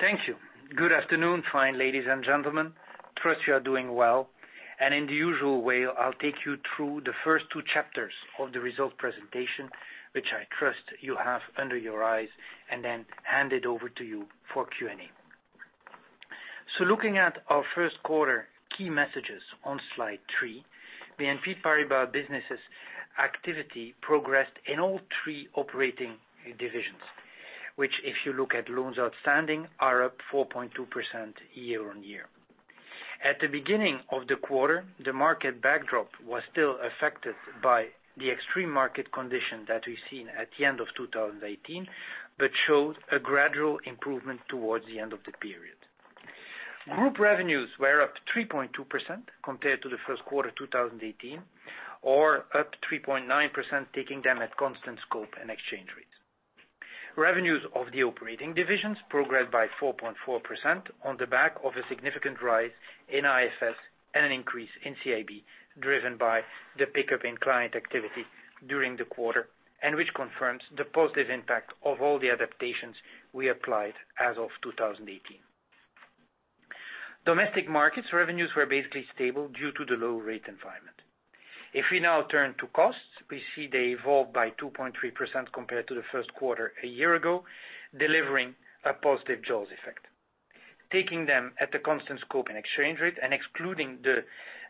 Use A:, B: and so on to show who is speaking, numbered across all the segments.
A: Thank you. Good afternoon, fine ladies and gentlemen. Trust you are doing well, and in the usual way, I'll take you through the first two chapters of the results presentation, which I trust you have under your eyes, and then hand it over to you for Q&A. Looking at our first quarter key messages on slide three, BNP Paribas businesses activity progressed in all three operating divisions, which, if you look at loans outstanding, are up 4.2% year-on-year. At the beginning of the quarter, the market backdrop was still affected by the extreme market condition that we've seen at the end of 2018, but showed a gradual improvement towards the end of the period. Group revenues were up 3.2% compared to the first quarter 2018, or up 3.9%, taking them at constant scope and exchange rates. Revenues of the operating divisions progressed by 4.4% on the back of a significant rise in IFRS and an increase in CIB, driven by the pickup in client activity during the quarter, and which confirms the positive impact of all the adaptations we applied as of 2018. Domestic markets' revenues were basically stable due to the low rate environment. We now turn to costs, we see they evolved by 2.3% compared to the first quarter a year ago, delivering a positive jaws effect. Taking them at the constant scope and exchange rate and excluding the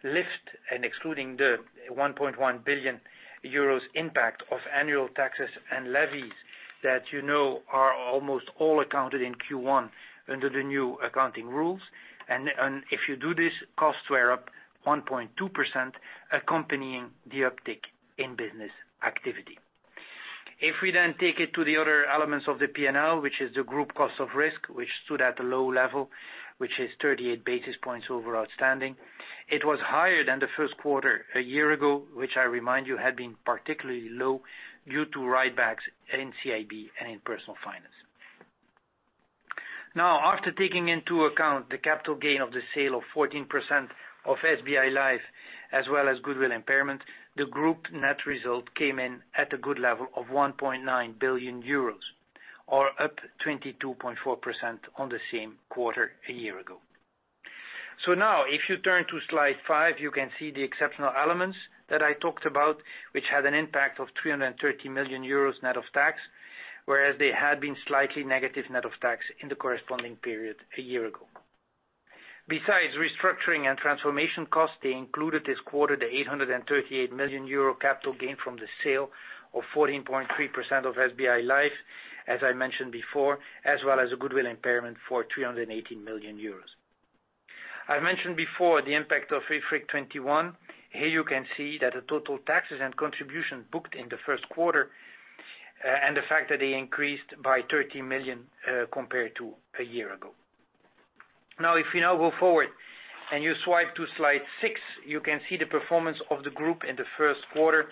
A: lift and excluding the 1.1 billion euros impact of annual taxes and levies that you know are almost all accounted in Q1 under the new accounting rules. If you do this, costs were up 1.2%, accompanying the uptick in business activity. We take it to the other elements of the P&L, which is the group cost of risk, which stood at a low level, which is 38 basis points over outstanding. It was higher than the first quarter a year ago, which I remind you, had been particularly low due to write-backs in CIB and in Personal Finance. After taking into account the capital gain of the sale of 14% of SBI Life, as well as goodwill impairment, the group net result came in at a good level of 1.9 billion euros, or up 22.4% on the same quarter a year ago. You turn to slide five, you can see the exceptional elements that I talked about, which had an impact of 330 million euros net of tax, whereas they had been slightly negative net of tax in the corresponding period a year ago. Besides restructuring and transformation costs, they included this quarter the 838 million euro capital gain from the sale of 14.3% of SBI Life, as I mentioned before, as well as a goodwill impairment for 318 million euros. I mentioned before the impact of IFRIC 21. Here you can see that the total taxes and contribution booked in the first quarter, and the fact that they increased by 30 million, compared to a year ago. You go forward and you swipe to slide six, you can see the performance of the group in the first quarter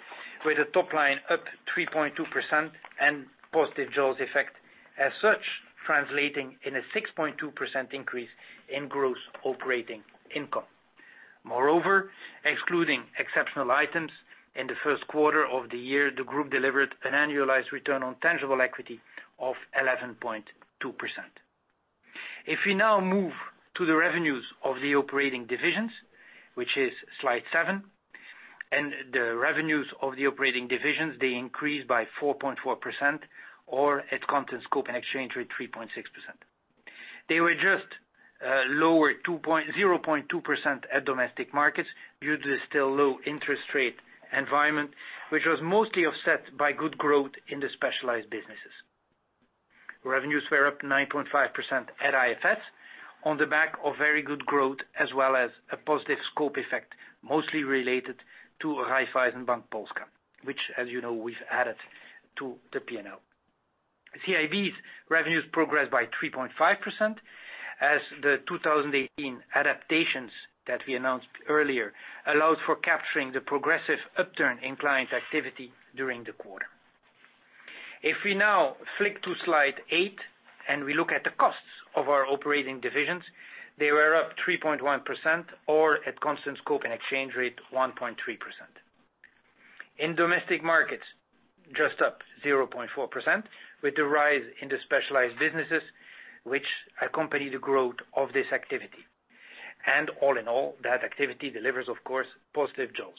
A: with the top line up 3.2% and positive jaws effect, as such, translating in a 6.2% increase in gross operating income. Moreover, excluding exceptional items in the first quarter of the year, the group delivered an annualized return on tangible equity of 11.2%. If we now move to the revenues of the operating divisions, which is slide seven, the revenues of the operating divisions, they increased by 4.4% or at constant scope and exchange rate, 3.6%. They were just lower 0.2% at domestic markets due to the still low interest rate environment, which was mostly offset by good growth in the specialized businesses. Revenues were up 9.5% at IFRS on the back of very good growth, as well as a positive scope effect, mostly related to Raiffeisen Bank Polska, which, as you know, we've added to the P&L. CIB's revenues progressed by 3.5%, as the 2018 adaptations that we announced earlier allowed for capturing the progressive upturn in client activity during the quarter. If we now flick to slide eight and we look at the costs of our operating divisions, they were up 3.1% or at constant scope and exchange rate, 1.3%. In domestic markets, just up 0.4% with the rise in the specialized businesses, which accompany the growth of this activity. All in all, that activity delivers, of course, positive jaws.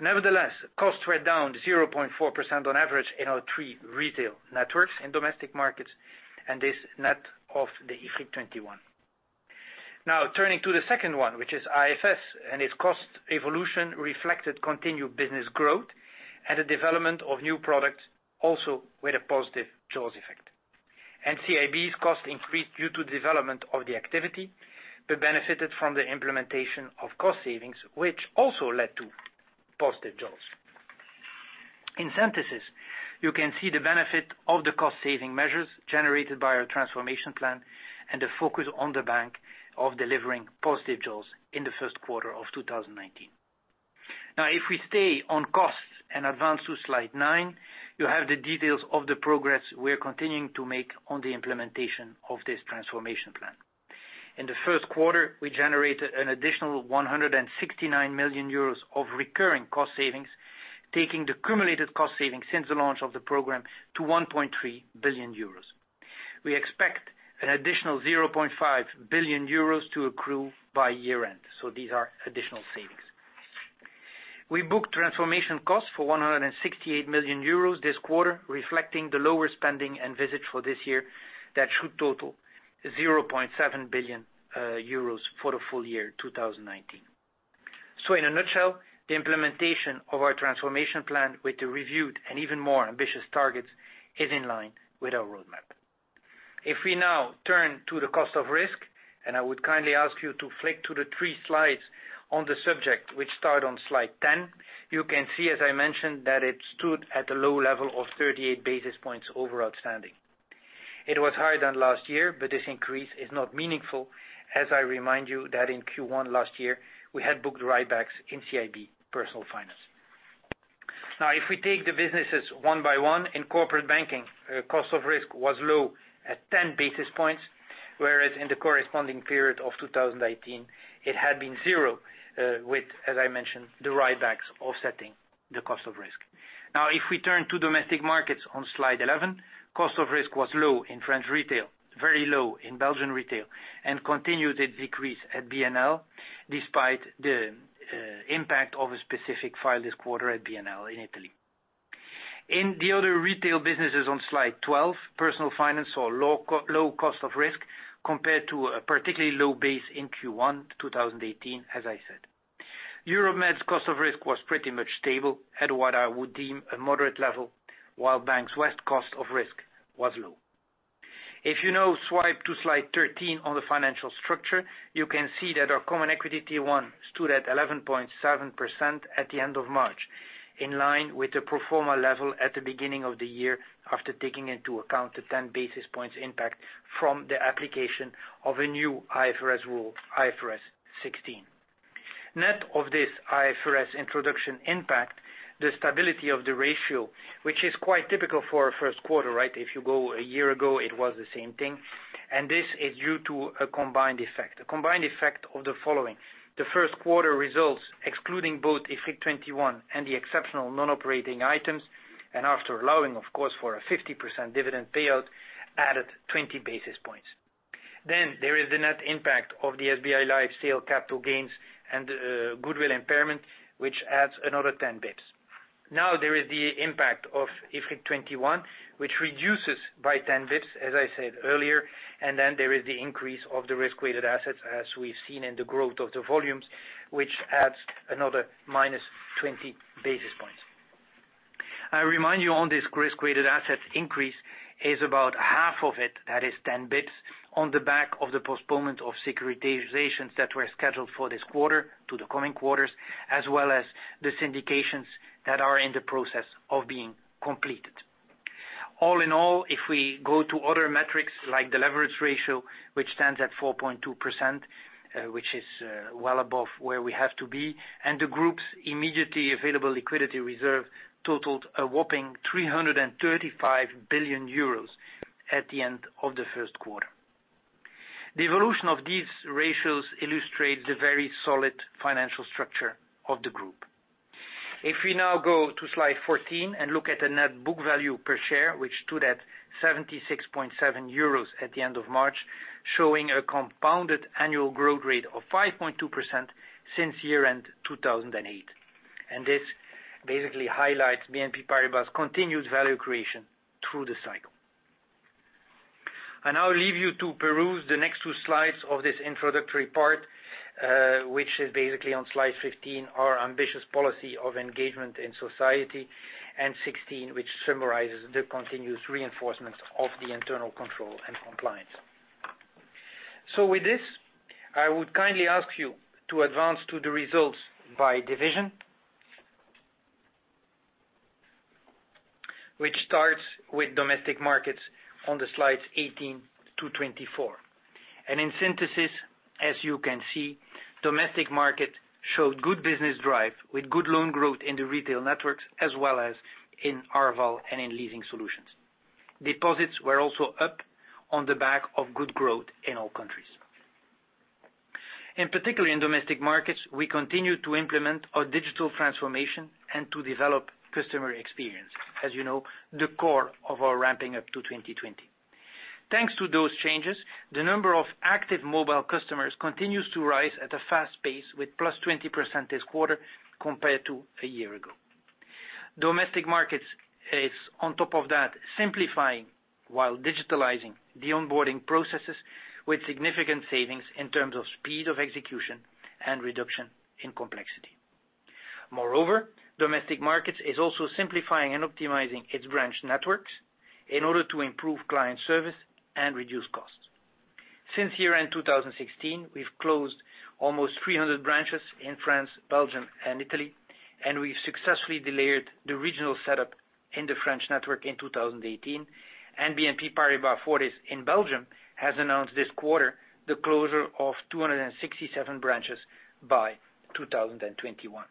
A: Nevertheless, costs were down 0.4% on average in our three retail networks in domestic markets, and this net of the IFRIC 21. Now turning to the second one, which is IFRS, its cost evolution reflected continued business growth and the development of new products also with a positive jaws effect. CIB's cost increased due to the development of the activity, but benefited from the implementation of cost savings, which also led to positive jaws. In synthesis, you can see the benefit of the cost-saving measures generated by our transformation plan and the focus on the bank of delivering positive jaws in the first quarter of 2019. Now, if we stay on costs and advance to slide nine, you have the details of the progress we are continuing to make on the implementation of this transformation plan. In the first quarter, we generated an additional 169 million euros of recurring cost savings, taking the cumulative cost savings since the launch of the program to 1.3 billion euros. We expect an additional 0.5 billion euros to accrue by year-end, these are additional savings. We booked transformation costs for 168 million euros this quarter, reflecting the lower spending and visits for this year that should total 0.7 billion euros for the full year 2019. In a nutshell, the implementation of our transformation plan with the reviewed and even more ambitious targets is in line with our roadmap. If we now turn to the cost of risk, I would kindly ask you to flick to the three slides on the subject, which start on slide 10, you can see, as I mentioned, that it stood at a low level of 38 basis points over outstanding. It was higher than last year, this increase is not meaningful, as I remind you that in Q1 last year, we had booked write-backs in CIB Personal Finance. Now, if we take the businesses one by one, in corporate banking, cost of risk was low at 10 basis points, whereas in the corresponding period of 2018, it had been zero with, as I mentioned, the write-backs offsetting the cost of risk. If we turn to domestic markets on Slide 11, cost of risk was low in French retail, very low in Belgian retail, and continued its decrease at BNL, despite the impact of a specific file this quarter at BNL in Italy. In the other retail businesses on Slide 12, Personal Finance saw low cost of risk compared to a particularly low base in Q1 2018, as I said. Euroméd's cost of risk was pretty much stable at what I would deem a moderate level, while Banque Populaire's cost of risk was low. If you now swipe to Slide 13 on the financial structure, you can see that our Common Equity Tier 1 stood at 11.7% at the end of March, in line with the pro forma level at the beginning of the year after taking into account the 10 basis points impact from the application of a new IFRS rule, IFRS 16. Net of this IFRS introduction impact, the stability of the ratio, which is quite typical for a first quarter, right? If you go a year ago, it was the same thing. This is due to a combined effect, a combined effect of the following. The first quarter results, excluding both IFRIC 21 and the exceptional non-operating items, and after allowing, of course, for a 50% dividend payout, added 20 basis points. There is the net impact of the SBI Life sale capital gains and goodwill impairment, which adds another 10 basis points. There is the impact of IFRIC 21, which reduces by 10 basis points, as I said earlier. There is the increase of the risk-weighted assets, as we've seen in the growth of the volumes, which adds another -20 basis points. I remind you on this risk-weighted assets increase is about half of it, that is 10 basis points, on the back of the postponement of securitizations that were scheduled for this quarter to the coming quarters, as well as the syndications that are in the process of being completed. If we go to other metrics like the leverage ratio, which stands at 4.2%, which is well above where we have to be, and the Group's immediately available liquidity reserve totaled a whopping 335 billion euros at the end of the first quarter. The evolution of these ratios illustrates the very solid financial structure of the Group. If we now go to Slide 14 and look at the net book value per share, which stood at 76.7 euros at the end of March, showing a compounded annual growth rate of 5.2% since year-end 2008. This basically highlights BNP Paribas' continued value creation through the cycle. I now leave you to peruse the next two slides of this introductory part, which is basically on Slide 15, our ambitious policy of engagement in society, 16 which summarizes the continuous reinforcements of the internal control and compliance. With this, I would kindly ask you to advance to the results by division. The results by division start with domestic markets on Slides 18 to 24. In synthesis, as you can see, domestic markets showed good business drive with good loan growth in the retail networks as well as in Arval and in leasing solutions. Deposits were also up on the back of good growth in all countries. Particularly in domestic markets, we continued to implement our digital transformation and to develop customer experience, as you know, the core of our ramping up to 2020. Thanks to those changes, the number of active mobile customers continues to rise at a fast pace with +20% this quarter compared to a year ago. Domestic markets is, on top of that, simplifying while digitalizing the onboarding processes with significant savings in terms of speed of execution and reduction in complexity. Moreover, domestic markets is also simplifying and optimizing its branch networks in order to improve client service and reduce costs. Since year-end 2016, we've closed almost 300 branches in France, Belgium, and Italy, and we've successfully delayered the regional setup in the French network in 2018. BNP Paribas Fortis in Belgium has announced this quarter the closure of 267 branches by 2021.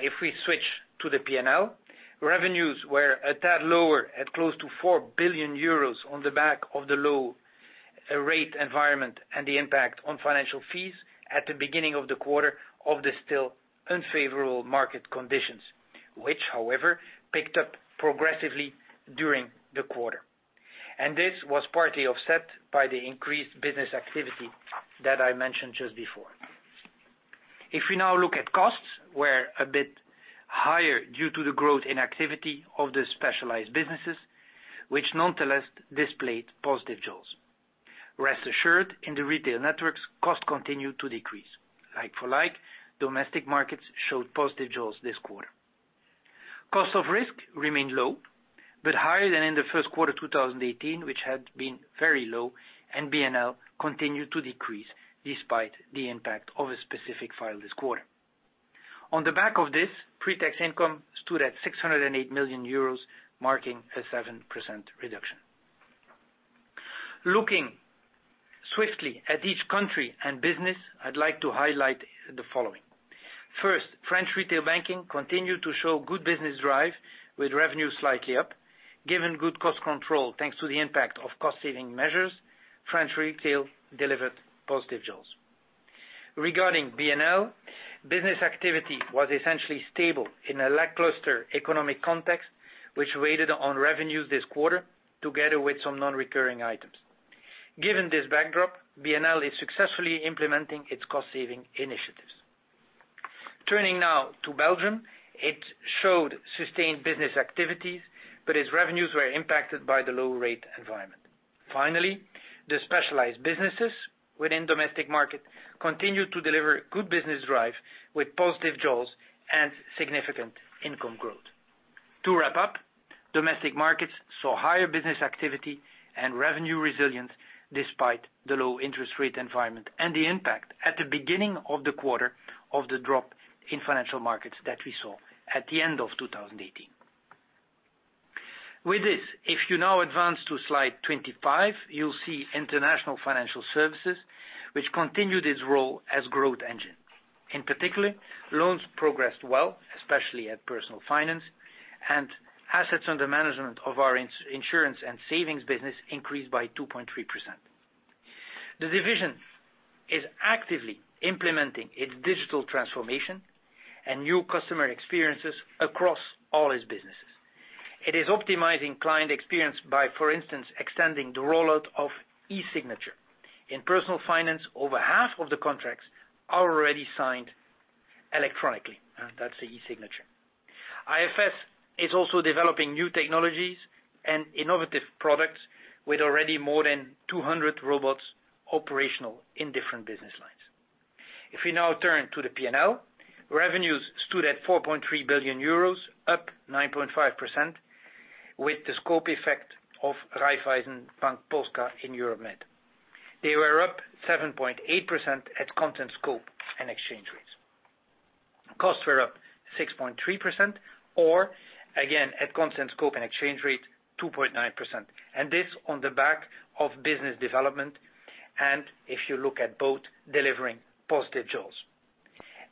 A: If we switch to the P&L, revenues were a tad lower at close to 4 billion euros on the back of the low rate environment and the impact on financial fees at the beginning of the quarter of the still unfavorable market conditions, which however, picked up progressively during the quarter. This was partly offset by the increased business activity that I mentioned just before. Costs were a bit higher due to the growth in activity of the specialized businesses, which nonetheless displayed positive jaws. Rest assured, in the retail networks, costs continued to decrease. Like for like, domestic markets showed positive jaws this quarter. Cost of risk remained low, but higher than in the first quarter 2018, which had been very low, and BNL continued to decrease despite the impact of a specific file this quarter. On the back of this, pre-tax income stood at 608 million euros, marking a 7% reduction. Looking swiftly at each country and business, I'd like to highlight the following. First, French retail banking continued to show good business drive with revenue slightly up. Given good cost control, thanks to the impact of cost-saving measures, French retail delivered positive jaws. Regarding BNL, business activity was essentially stable in a lackluster economic context, which weighed on revenues this quarter together with some non-recurring items. Given this backdrop, BNL is successfully implementing its cost-saving initiatives. Turning to Belgium, it showed sustained business activities, but its revenues were impacted by the low rate environment. Finally, the specialized businesses within domestic markets continued to deliver good business drive with positive jaws and significant income growth. To wrap up, domestic markets saw higher business activity and revenue resilience despite the low interest rate environment and the impact at the beginning of the quarter of the drop in financial markets that we saw at the end of 2018. With this, if you advance to Slide 25, you'll see International Financial Services, which continued its role as growth engine. In particular, loans progressed well, especially at BNP Paribas Personal Finance, and assets under management of our insurance and savings business increased by 2.3%. The division is actively implementing its digital transformation and new customer experiences across all its businesses. It is optimizing client experience by, for instance, extending the rollout of e-signature. In BNP Paribas Personal Finance, over half of the contracts are already signed electronically, and that's the e-signature. International Financial Services is also developing new technologies and innovative products with already more than 200 robots operational in different business lines. If we now turn to the P&L, revenues stood at 4.3 billion euros, up 9.5% with the scope effect of Raiffeisen Bank Polska in Europe-Mediterranean. They were up 7.8% at constant scope and exchange rates. Costs were up 6.3% or again at constant scope and exchange rate 2.9%, this on the back of business development, and if you look at both delivering positive jaws.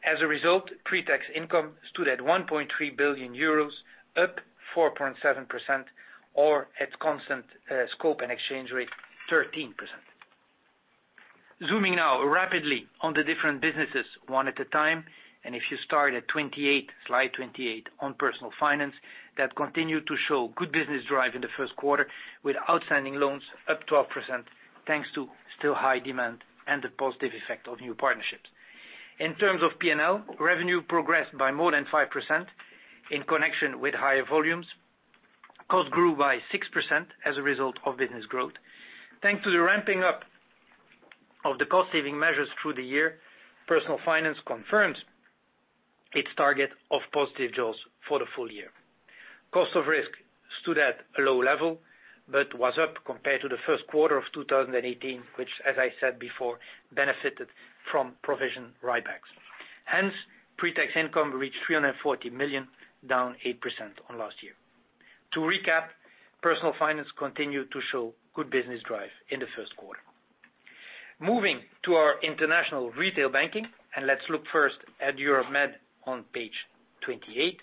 A: As a result, pre-tax income stood at 1.3 billion euros, up 4.7% or at constant scope and exchange rate 13%. Zooming now rapidly on the different businesses, one at a time, if you start at 28, slide 28 on BNP Paribas Personal Finance, that continued to show good business drive in the first quarter with outstanding loans up 12% thanks to still high demand and the positive effect of new partnerships. In terms of P&L, revenue progressed by more than 5% in connection with higher volumes. Cost grew by 6% as a result of business growth. Thanks to the ramping up of the cost-saving measures through the year, BNP Paribas Personal Finance confirms its target of positive jaws for the full year. Cost of risk stood at a low level but was up compared to the first quarter of 2018, which as I said before, benefited from provision write-backs. Hence, pre-tax income reached 340 million, down 8% on last year. To recap, BNP Paribas Personal Finance continued to show good business drive in the first quarter. Moving to our international retail banking, let's look first at Europe-Mediterranean on page 28.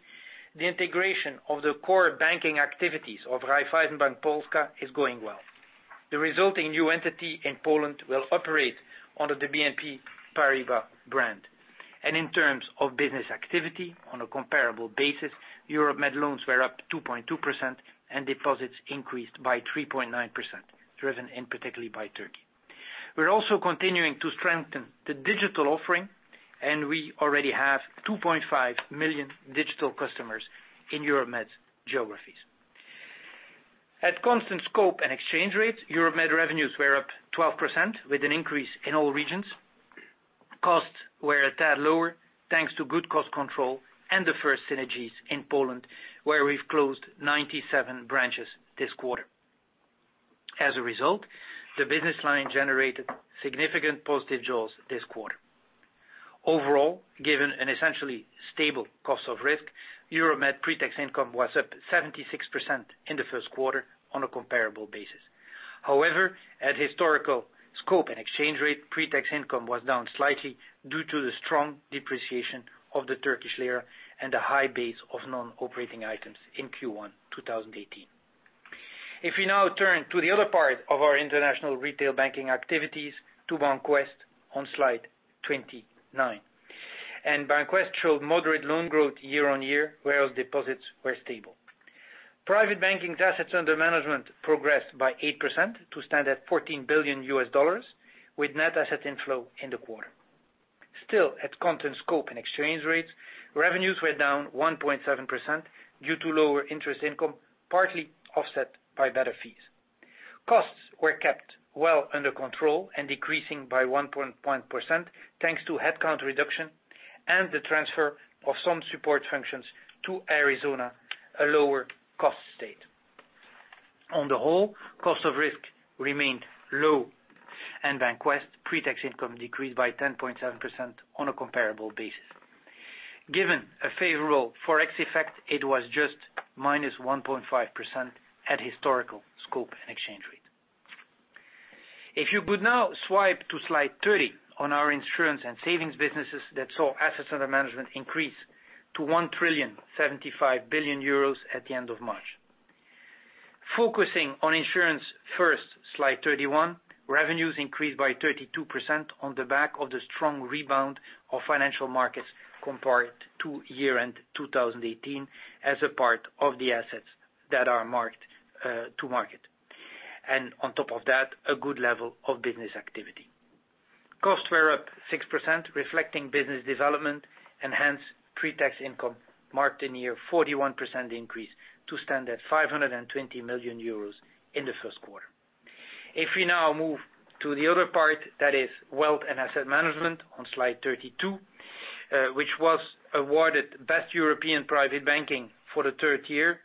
A: The integration of the core banking activities of Raiffeisen Bank Polska is going well. The resulting new entity in Poland will operate under the BNP Paribas brand. In terms of business activity on a comparable basis, Europe-Mediterranean loans were up 2.2% and deposits increased by 3.9%, driven in particularly by Turkey. We're also continuing to strengthen the digital offering, and we already have 2.5 million digital customers in Europe-Mediterranean geographies. At constant scope and exchange rates, Europe-Mediterranean revenues were up 12% with an increase in all regions. Costs were a tad lower, thanks to good cost control and the first synergies in Poland, where we've closed 97 branches this quarter. As a result, the business line generated significant positive jaws this quarter. Overall, given an essentially stable cost of risk, Europe-Mediterranean pre-tax income was up 76% in the first quarter on a comparable basis. However, at historical scope and exchange rate, pre-tax income was down slightly due to the strong depreciation of the Turkish lira and the high base of non-operating items in Q1 2018. If we now turn to the other part of our international retail banking activities to BancWest on slide 29. BancWest showed moderate loan growth year-on-year, where deposits were stable. Private banking's assets under management progressed by 8% to stand at $14 billion US, with net asset inflow in the quarter. At constant scope and exchange rates, revenues were down 1.7% due to lower interest income, partly offset by better fees. Costs were kept well under control and decreasing by 1.1%, thanks to headcount reduction and the transfer of some support functions to Arizona, a lower cost state. On the whole, cost of risk remained low, and BancWest pre-tax income decreased by 10.7% on a comparable basis. Given a favorable Forex effect, it was just minus 1.5% at historical scope and exchange rate. If you could now swipe to slide 30 on our insurance and savings businesses that saw assets under management increase to 1.075 billion euros at the end of March. Focusing on insurance first, slide 31, revenues increased by 32% on the back of the strong rebound of financial markets compared to year-end 2018 as a part of the assets that are marked to market. On top of that, a good level of business activity. Costs were up 6%, reflecting business development, and hence, pre-tax income marked a near 41% increase to stand at 520 million euros in the first quarter. If we now move to the other part, that is Wealth and Asset Management on slide 32, which was awarded Best European Private Banking for the third year.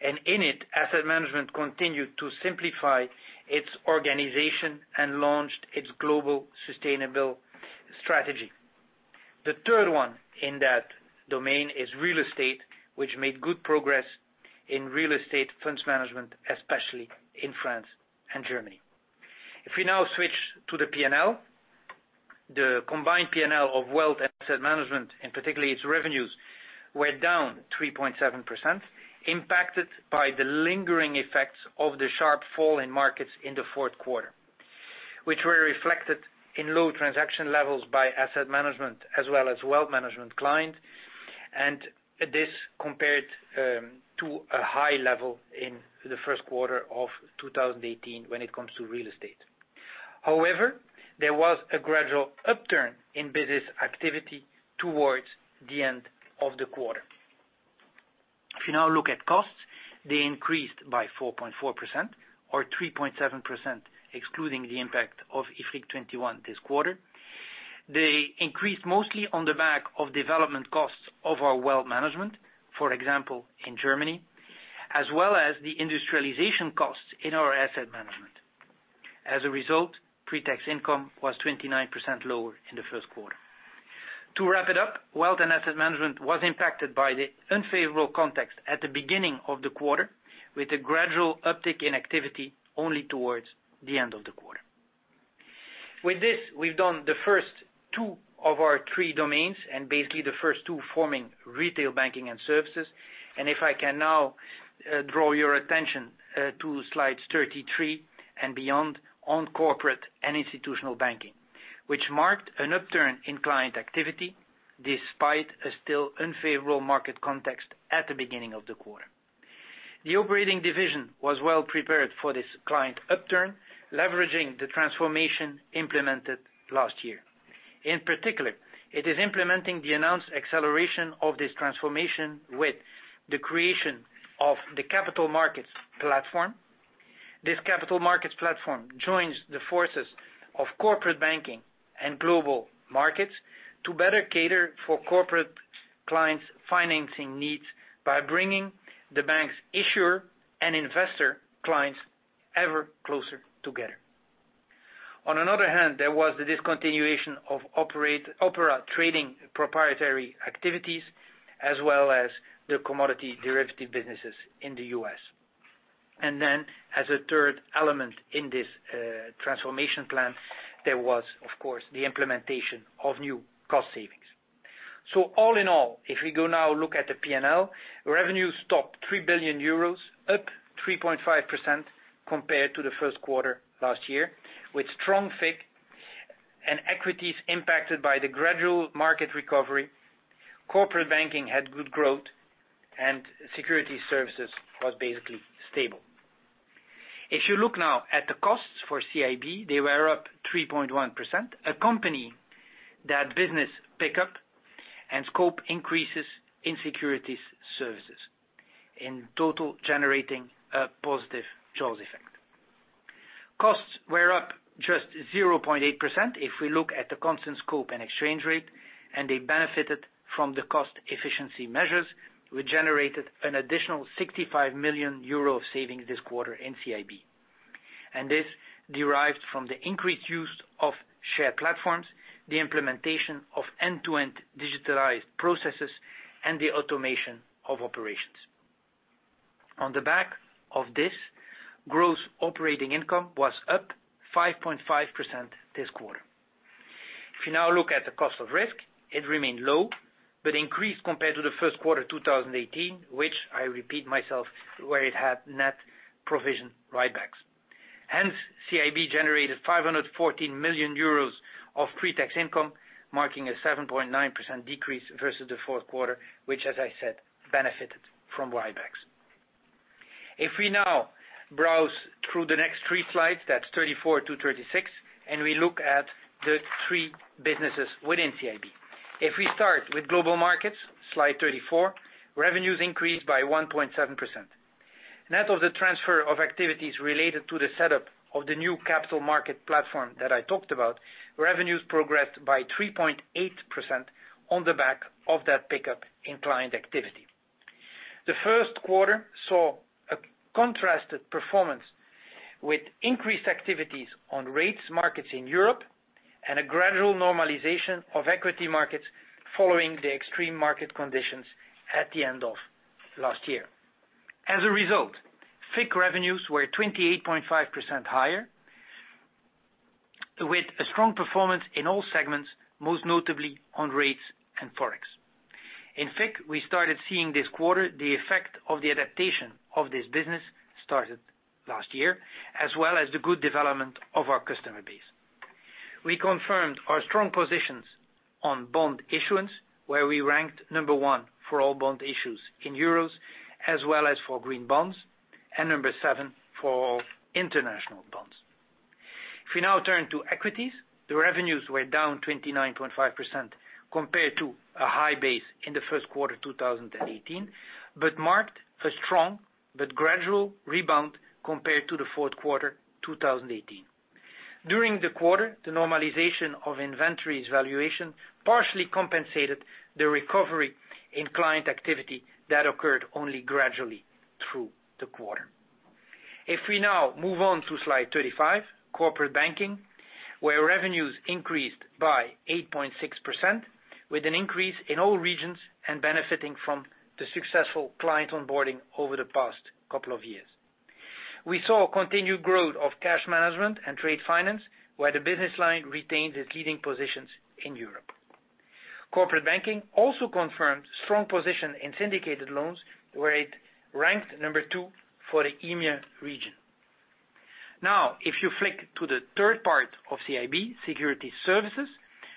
A: In it, Asset Management continued to simplify its organization and launched its global sustainable strategy. The third one in that domain is real estate, which made good progress in real estate funds management, especially in France and Germany. If we now switch to the P&L, the combined P&L of Wealth Asset Management, and particularly its revenues, were down 3.7%, impacted by the lingering effects of the sharp fall in markets in the fourth quarter, which were reflected in low transaction levels by Asset Management as well as Wealth Management client, and this compared to a high level in the first quarter of 2018 when it comes to real estate. There was a gradual upturn in business activity towards the end of the quarter. If you now look at costs, they increased by 4.4% or 3.7%, excluding the impact of IFRIC 21 this quarter. They increased mostly on the back of development costs of our Wealth Management, for example, in Germany, as well as the industrialization costs in our Asset Management. As a result, pre-tax income was 29% lower in the first quarter. To wrap it up, Wealth and Asset Management was impacted by the unfavorable context at the beginning of the quarter, with a gradual uptick in activity only towards the end of the quarter. With this, we've done the first two of our three domains, and basically the first two forming retail banking and services. If I can now draw your attention to slides 33 and beyond on Corporate and Institutional Banking, which marked an upturn in client activity despite a still unfavorable market context at the beginning of the quarter. The operating division was well-prepared for this client upturn, leveraging the transformation implemented last year. In particular, it is implementing the announced acceleration of this transformation with the creation of the capital markets platform. This capital markets platform joins the forces of Corporate Banking and Global Markets to better cater for corporate clients' financing needs by bringing the bank's issuer and investor clients ever closer together. On another hand, there was the discontinuation of Opera Trading proprietary activities, as well as the commodity derivative businesses in the U.S. As a third element in this transformation plan, there was, of course, the implementation of new cost savings. All in all, if we go now look at the P&L, revenues topped 3 billion euros, up 3.5% compared to the first quarter last year, with strong FIG and equities impacted by the gradual market recovery. Corporate Banking had good growth, and Security Services was basically stable. If you look now at the costs for CIB, they were up 3.1%, accompanying that business pickup and scope increases in Security Services, in total generating a positive jaws effect. Costs were up just 0.8% if we look at the constant scope and exchange rate, they benefited from the cost efficiency measures, which generated an additional 65 million euro savings this quarter in CIB. This derived from the increased use of shared platforms, the implementation of end-to-end digitalized processes, and the automation of operations. On the back of this, gross operating income was up 5.5% this quarter. If you now look at the cost of risk, it remained low, but increased compared to the first quarter 2018, which I repeat myself, where it had net provision write-backs. Hence, CIB generated 514 million euros of pre-tax income, marking a 7.9% decrease versus the fourth quarter, which as I said, benefited from write-backs. If we now browse through the next three slides, that's 34 to 36, and we look at the three businesses within CIB. If we start with Global Markets, slide 34, revenues increased by 1.7%. Net of the transfer of activities related to the setup of the new capital markets platform that I talked about, revenues progressed by 3.8% on the back of that pickup in client activity. The first quarter saw a contrasted performance with increased activities on rates markets in Europe, and a gradual normalization of equity markets following the extreme market conditions at the end of last year. As a result, FICC revenues were 28.5% higher, with a strong performance in all segments, most notably on rates and Forex. In FICC, we started seeing this quarter the effect of the adaptation of this business started last year, as well as the good development of our customer base. We confirmed our strong positions on bond issuance, where we ranked number 1 for all bond issues in euros, as well as for green bonds, and number 7 for all international bonds. If we now turn to equities, the revenues were down 29.5% compared to a high base in the first quarter 2018, but marked a strong but gradual rebound compared to the fourth quarter 2018. During the quarter, the normalization of inventories valuation partially compensated the recovery in client activity that occurred only gradually through the quarter. If we now move on to slide 35, Corporate Banking, where revenues increased by 8.6% with an increase in all regions and benefiting from the successful client onboarding over the past couple of years. We saw continued growth of cash management and trade finance, where the business line retained its leading positions in Europe. Corporate banking also confirmed strong position in syndicated loans, where it ranked number two for the EMEA region. If you flick to the third part of CIB security services,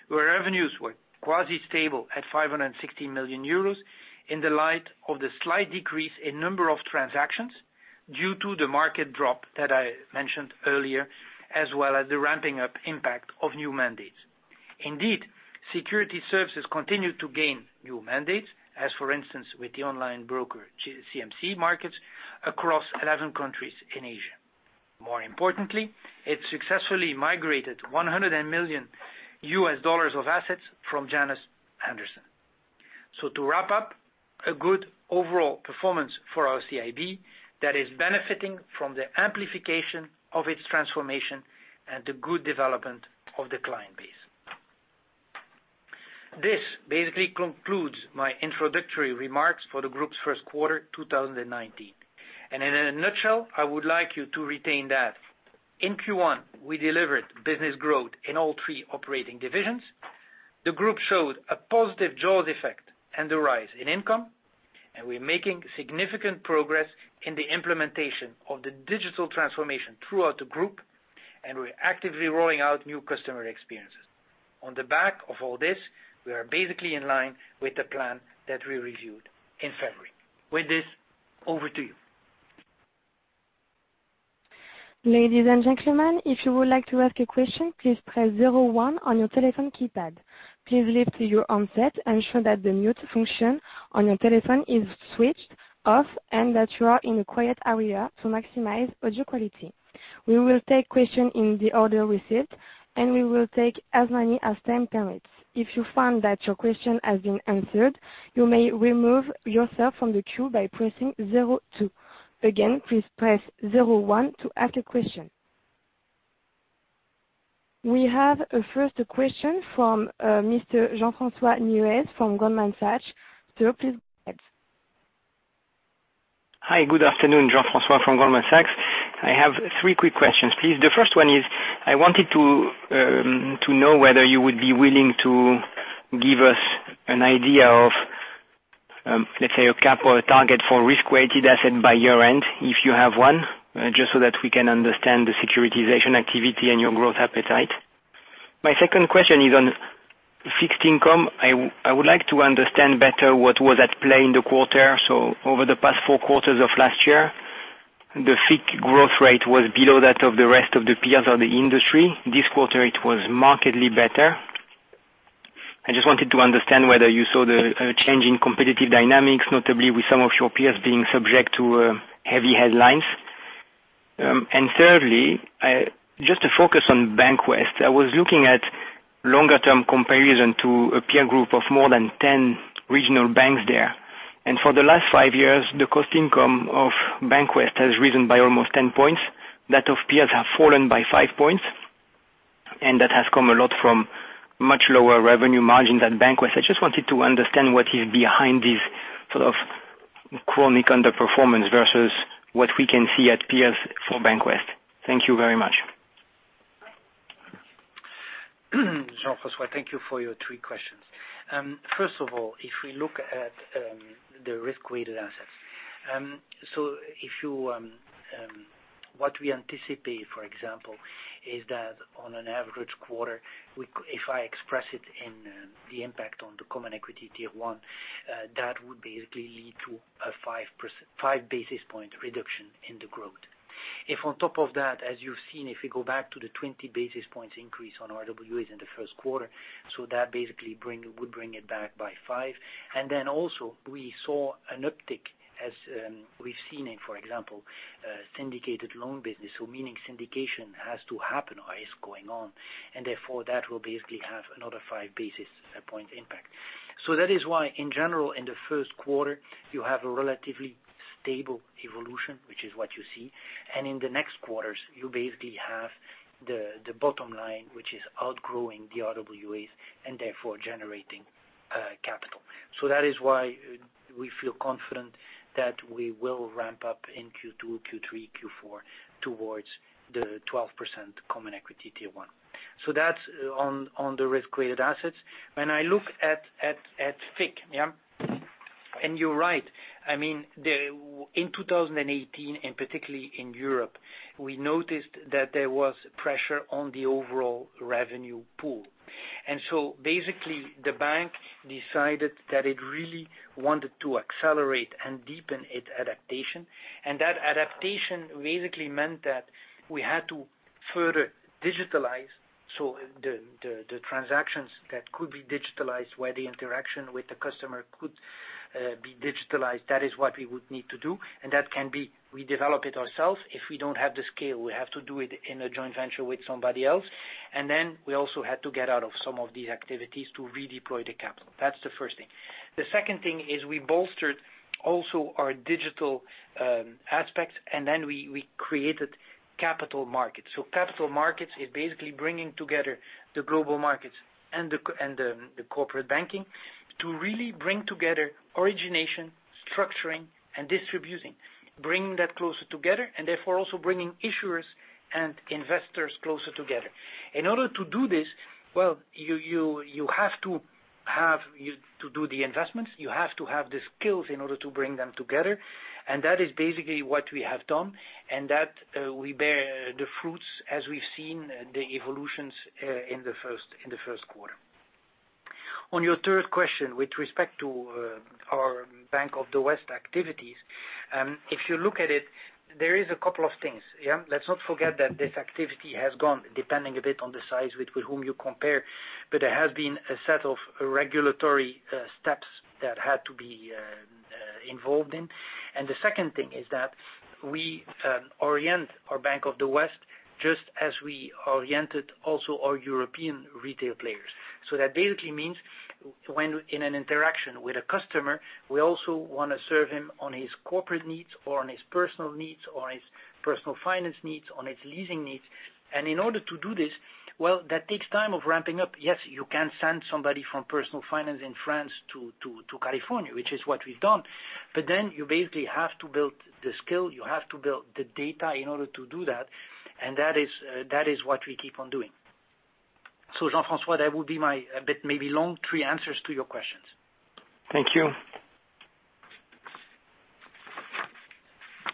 A: where revenues were quasi stable at 560 million euros in the light of the slight decrease in number of transactions due to the market drop that I mentioned earlier, as well as the ramping up impact of new mandates. Indeed, security services continued to gain new mandates as, for instance, with the online broker CMC Markets across 11 countries in Asia. More importantly, it successfully migrated $100 million of assets from Janus Henderson. To wrap up, a good overall performance for our CIB that is benefiting from the amplification of its transformation and the good development of the client base. This basically concludes my introductory remarks for the group's first quarter 2019. In a nutshell, I would like you to retain that in Q1, we delivered business growth in all three operating divisions. The group showed a positive jaws effect and the rise in income, we're making significant progress in the implementation of the digital transformation throughout the group, we're actively rolling out new customer experiences. On the back of all this, we are basically in line with the plan that we reviewed in February. With this, over to you.
B: Ladies and gentlemen, if you would like to ask a question, please press zero one on your telephone keypad. Please lift your handset and ensure that the mute function on your telephone is switched off, and that you are in a quiet area to maximize audio quality. We will take questions in the order received, and we will take as many as time permits. If you find that your question has been answered, you may remove yourself from the queue by pressing zero two. Again, please press zero one to ask a question. We have first question from Mr. Jean-François Neuez from Goldman Sachs. Sir, please go ahead.
C: Hi. Good afternoon. Jean-François from Goldman Sachs. I have three quick questions, please. The first one is, I wanted to know whether you would be willing to give us an idea of, let's say, a cap or a target for risk-weighted asset by year-end, if you have one, just so that we can understand the securitization activity and your growth appetite. My second question is on fixed income. I would like to understand better what was at play in the quarter. Over the past four quarters of last year, the FICC growth rate was below that of the rest of the peers of the industry. This quarter it was markedly better. I just wanted to understand whether you saw the change in competitive dynamics, notably with some of your peers being subject to heavy headlines. Thirdly, just to focus on Bank West, I was looking at longer term comparison to a peer group of more than 10 regional banks there. For the last five years, the cost income of Bank West has risen by almost 10 points. That of peers have fallen by five points. That has come a lot from much lower revenue margin than Bank West. I just wanted to understand what is behind this sort of chronic underperformance versus what we can see at peers for Bank West. Thank you very much.
A: Jean-François, thank you for your three questions. First of all, if we look at the risk-weighted assets. What we anticipate, for example, is that on an average quarter, if I express it in the impact on the Common Equity Tier 1, that would basically lead to a five basis point reduction in the growth. If on top of that, as you've seen, if we go back to the 20 basis points increase on RWAs in the first quarter, that basically would bring it back by five. Also we saw an uptick as we've seen in, for example, syndicated loan business. Meaning syndication has to happen or is going on, and therefore that will basically have another five basis point impact. That is why in general, in the first quarter, you have a relatively stable evolution, which is what you see, and in the next quarters, you basically have the bottom line, which is outgrowing the RWAs and therefore generating capital. That is why we feel confident that we will ramp up in Q2, Q3, Q4 towards the 12% Common Equity Tier 1. That's on the risk-weighted assets. When I look at FICC, you're right, in 2018, and particularly in Europe, we noticed that there was pressure on the overall revenue pool. Basically the bank decided that it really wanted to accelerate and deepen its adaptation, and that adaptation basically meant that we had to further digitalize. The transactions that could be digitalized, where the interaction with the customer could be digitalized, that is what we would need to do. That can be, we develop it ourselves. If we don't have the scale, we have to do it in a joint venture with somebody else. Then we also had to get out of some of these activities to redeploy the capital. That's the first thing. The second thing is we bolstered also our digital aspects, then we created capital markets. Capital markets is basically bringing together the global markets and the corporate banking to really bring together origination, structuring, and distributing, bringing that closer together, and therefore also bringing issuers and investors closer together. In order to do this, well, you have to do the investments. You have to have the skills in order to bring them together, and that is basically what we have done, and that we bear the fruits as we've seen the evolutions in the first quarter. On your third question, with respect to our Bank of the West activities, if you look at it, there is a couple of things. Let's not forget that this activity has gone, depending a bit on the size with whom you compare, but there has been a set of regulatory steps that had to be involved in. The second thing is that we orient our Bank of the West just as we oriented also our European retail players. That basically means when in an interaction with a customer, we also want to serve him on his corporate needs or on his personal needs, or his personal finance needs, on his leasing needs. In order to do this, well, that takes time of ramping up. Yes, you can send somebody from personal finance in France to California, which is what we've done. You basically have to build the skill. You have to build the data in order to do that, and that is what we keep on doing. Jean-François, that would be my, a bit maybe long, three answers to your questions.
C: Thank you.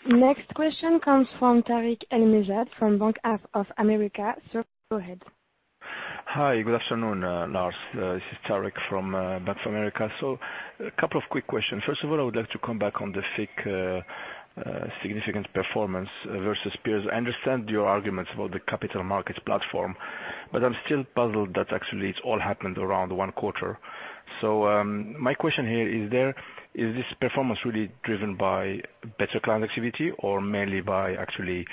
B: Next question comes from Tarik El Mejjad from Bank of America. Sir, go ahead.
D: Hi. Good afternoon, Lars. This is Tarik from Bank of America. A couple of quick questions. First of all, I would like to come back on the FIC significant performance versus peers. I understand your arguments about the capital markets platform, but I'm still puzzled that actually it all happened around one quarter. My question here, is this performance really driven by better client activity or mainly by actually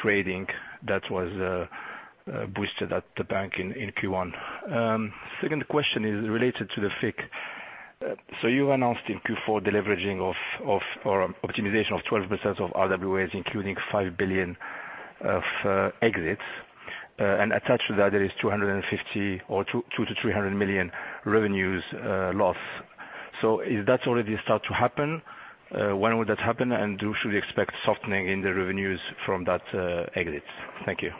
D: trading that was boosted at the bank in Q1? Second question is related to the FIC. You announced in Q4 deleveraging of, or optimization of 12% of RWAs, including 5 billion of exits. Attached to that, there is 250 million or 200 million to 300 million revenues loss. Is that already start to happen? When would that happen? And should we expect softening in the revenues from that exit? Thank you.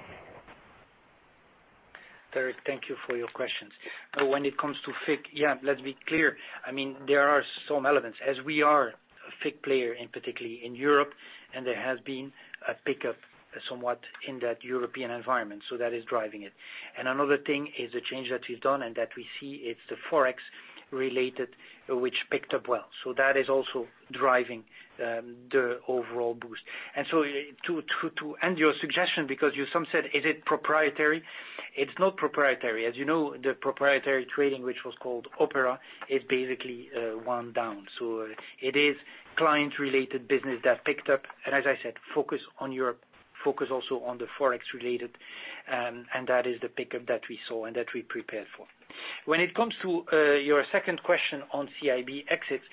A: Tarik, thank you for your questions. When it comes to FIC, let's be clear. There are some elements, as we are a FIC player, and particularly in Europe, and there has been a pickup somewhat in that European environment, that is driving it. Another thing is the change that we've done and that we see it's the Forex related, which picked up well. That is also driving the overall boost. To end your suggestion, because you some said, is it proprietary? It's not proprietary. As you know, the proprietary trading, which was called Opera, is basically wound down. It is client-related business that picked up, and as I said, focus on Europe, focus also on the Forex related, and that is the pickup that we saw and that we prepared for. When it comes to your second question on CIB exits,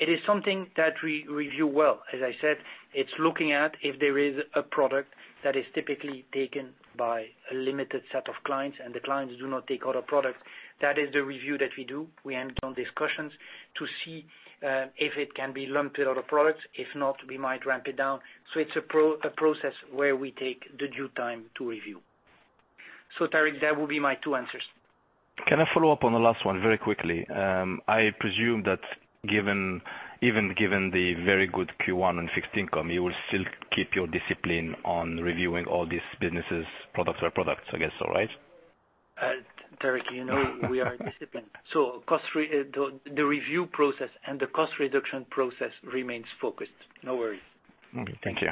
A: it is something that we review well. As I said, it's looking at if there is a product that is typically taken by a limited set of clients, and the clients do not take other products. That is the review that we do. We enter on discussions to see if it can be lumped with other products. If not, we might ramp it down. It's a process where we take the due time to review. Tarik, that will be my two answers.
D: Can I follow up on the last one very quickly? I presume that even given the very good Q1 and fixed income, you will still keep your discipline on reviewing all these businesses product for products, I guess, right?
A: Tarik, you know we are disciplined. The review process and the cost reduction process remains focused. No worries.
D: Okay. Thank you.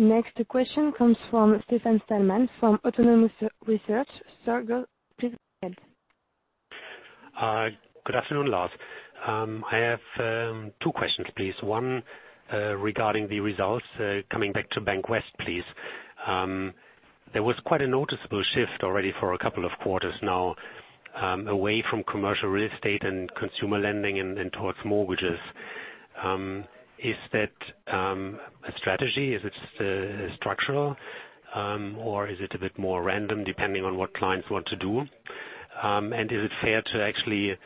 B: Next question comes from Stefan Stalmann from Autonomous Research. Sir, go ahead.
E: Good afternoon, Lars. I have two questions, please. One regarding the results coming back to Bank West, please. There was quite a noticeable shift already for a couple of quarters now away from commercial real estate and consumer lending and towards mortgages. Is that a strategy? Is it structural, or is it a bit more random depending on what clients want to do? Is it fair to actually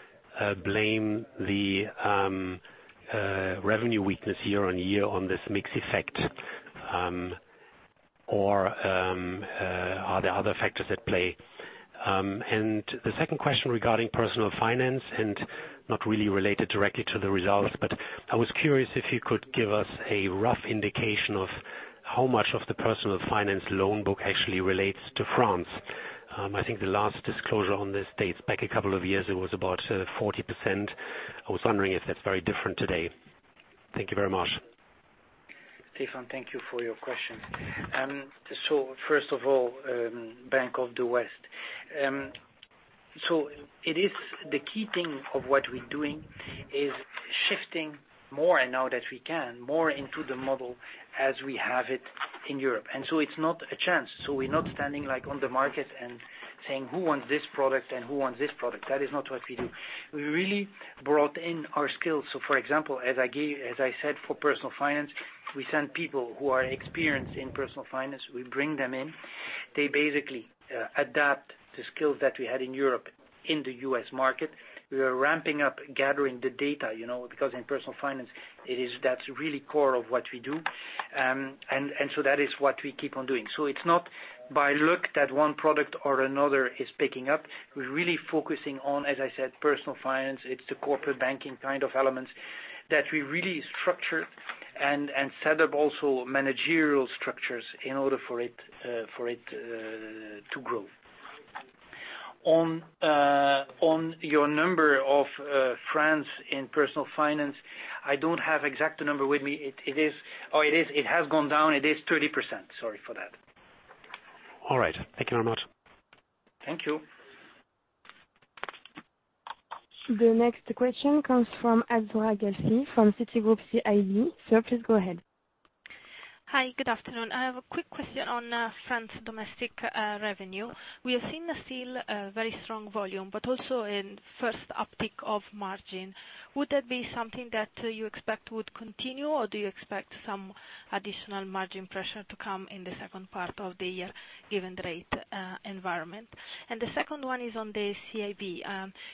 E: blame the revenue weakness year-on-year on this mix effect, or are there other factors at play? The second question regarding Personal Finance and not really related directly to the results, but I was curious if you could give us a rough indication of how much of the Personal Finance loan book actually relates to France. I think the last disclosure on this dates back a couple of years, it was about 40%. I was wondering if that's very different today. Thank you very much.
A: Stefan, thank you for your question. First of all, Bank of the West. The key thing of what we're doing is shifting more, and now that we can, more into the model as we have it in Europe. It's not a chance. We're not standing on the market and saying, "Who wants this product and who wants this product?" That is not what we do. We really brought in our skills. For example, as I said, for Personal Finance, we send people who are experienced in Personal Finance, we bring them in. They basically adapt the skills that we had in Europe in the U.S. market. We are ramping up gathering the data, because in Personal Finance, that's really core of what we do. That is what we keep on doing. It's not by luck that one product or another is picking up. We're really focusing on, as I said, Personal Finance. It's the corporate banking kind of elements that we really structured and set up also managerial structures in order for it to grow. On your number of France in Personal Finance, I don't have exact number with me. It has gone down. It is 30%. Sorry for that.
E: All right. Thank you very much.
A: Thank you.
B: The next question comes from Azzurra Guelfi from Citigroup CIB. Sir, please go ahead.
F: Hi. Good afternoon. I have a quick question on France domestic revenue. We are seeing still a very strong volume, but also a first uptick of margin. Would that be something that you expect would continue, or do you expect some additional margin pressure to come in the second part of the year, given the rate environment? The second one is on the CIB.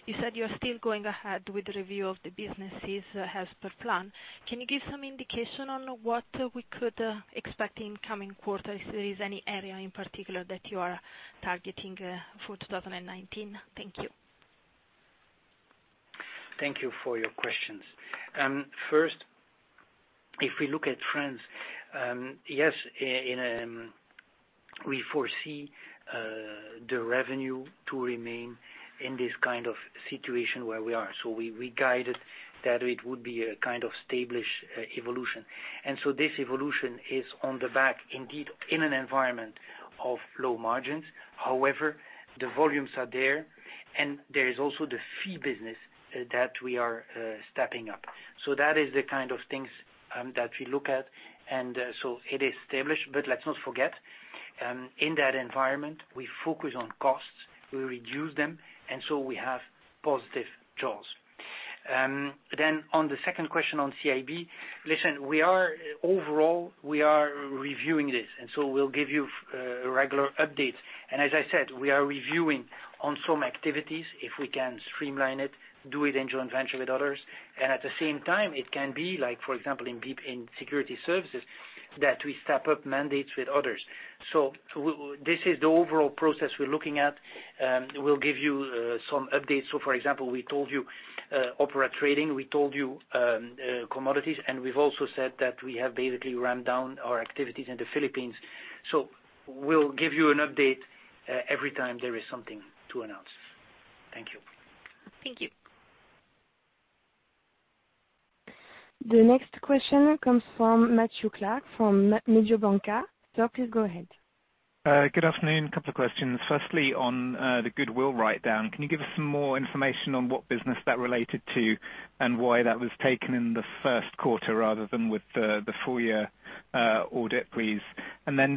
F: You said you're still going ahead with the review of the businesses as per plan. Can you give some indication on what we could expect in coming quarters if there is any area in particular that you are targeting for 2019? Thank you.
A: Thank you for your questions. First, if we look at France, yes, we foresee the revenue to remain in this kind of situation where we are. We guided that it would be a kind of established evolution. This evolution is on the back, indeed, in an environment of low margins. However, the volumes are there, and there is also the fee business that we are stepping up. That is the kind of things that we look at, and so it is established. Let's not forget, in that environment, we focus on costs. We reduce them, and so we have positive jaws. On the second question on CIB, listen, overall, we are reviewing this, and so we'll give you regular updates. As I said, we are reviewing on some activities if we can streamline it, do it in joint venture with others. At the same time, it can be like, for example, in security services, that we step up mandates with others. This is the overall process we're looking at. We'll give you some updates. For example, we told you Opera Trading, we told you Commodities, and we've also said that we have basically ramped down our activities in the Philippines. We'll give you an update every time there is something to announce. Thank you.
F: Thank you.
B: The next question comes from Matthew Clark, from Mediobanca. Sir, please go ahead.
G: Good afternoon. A couple of questions. Firstly, on the goodwill write-down. Can you give us some more information on what business that related to, and why that was taken in the first quarter rather than with the full year audit, please?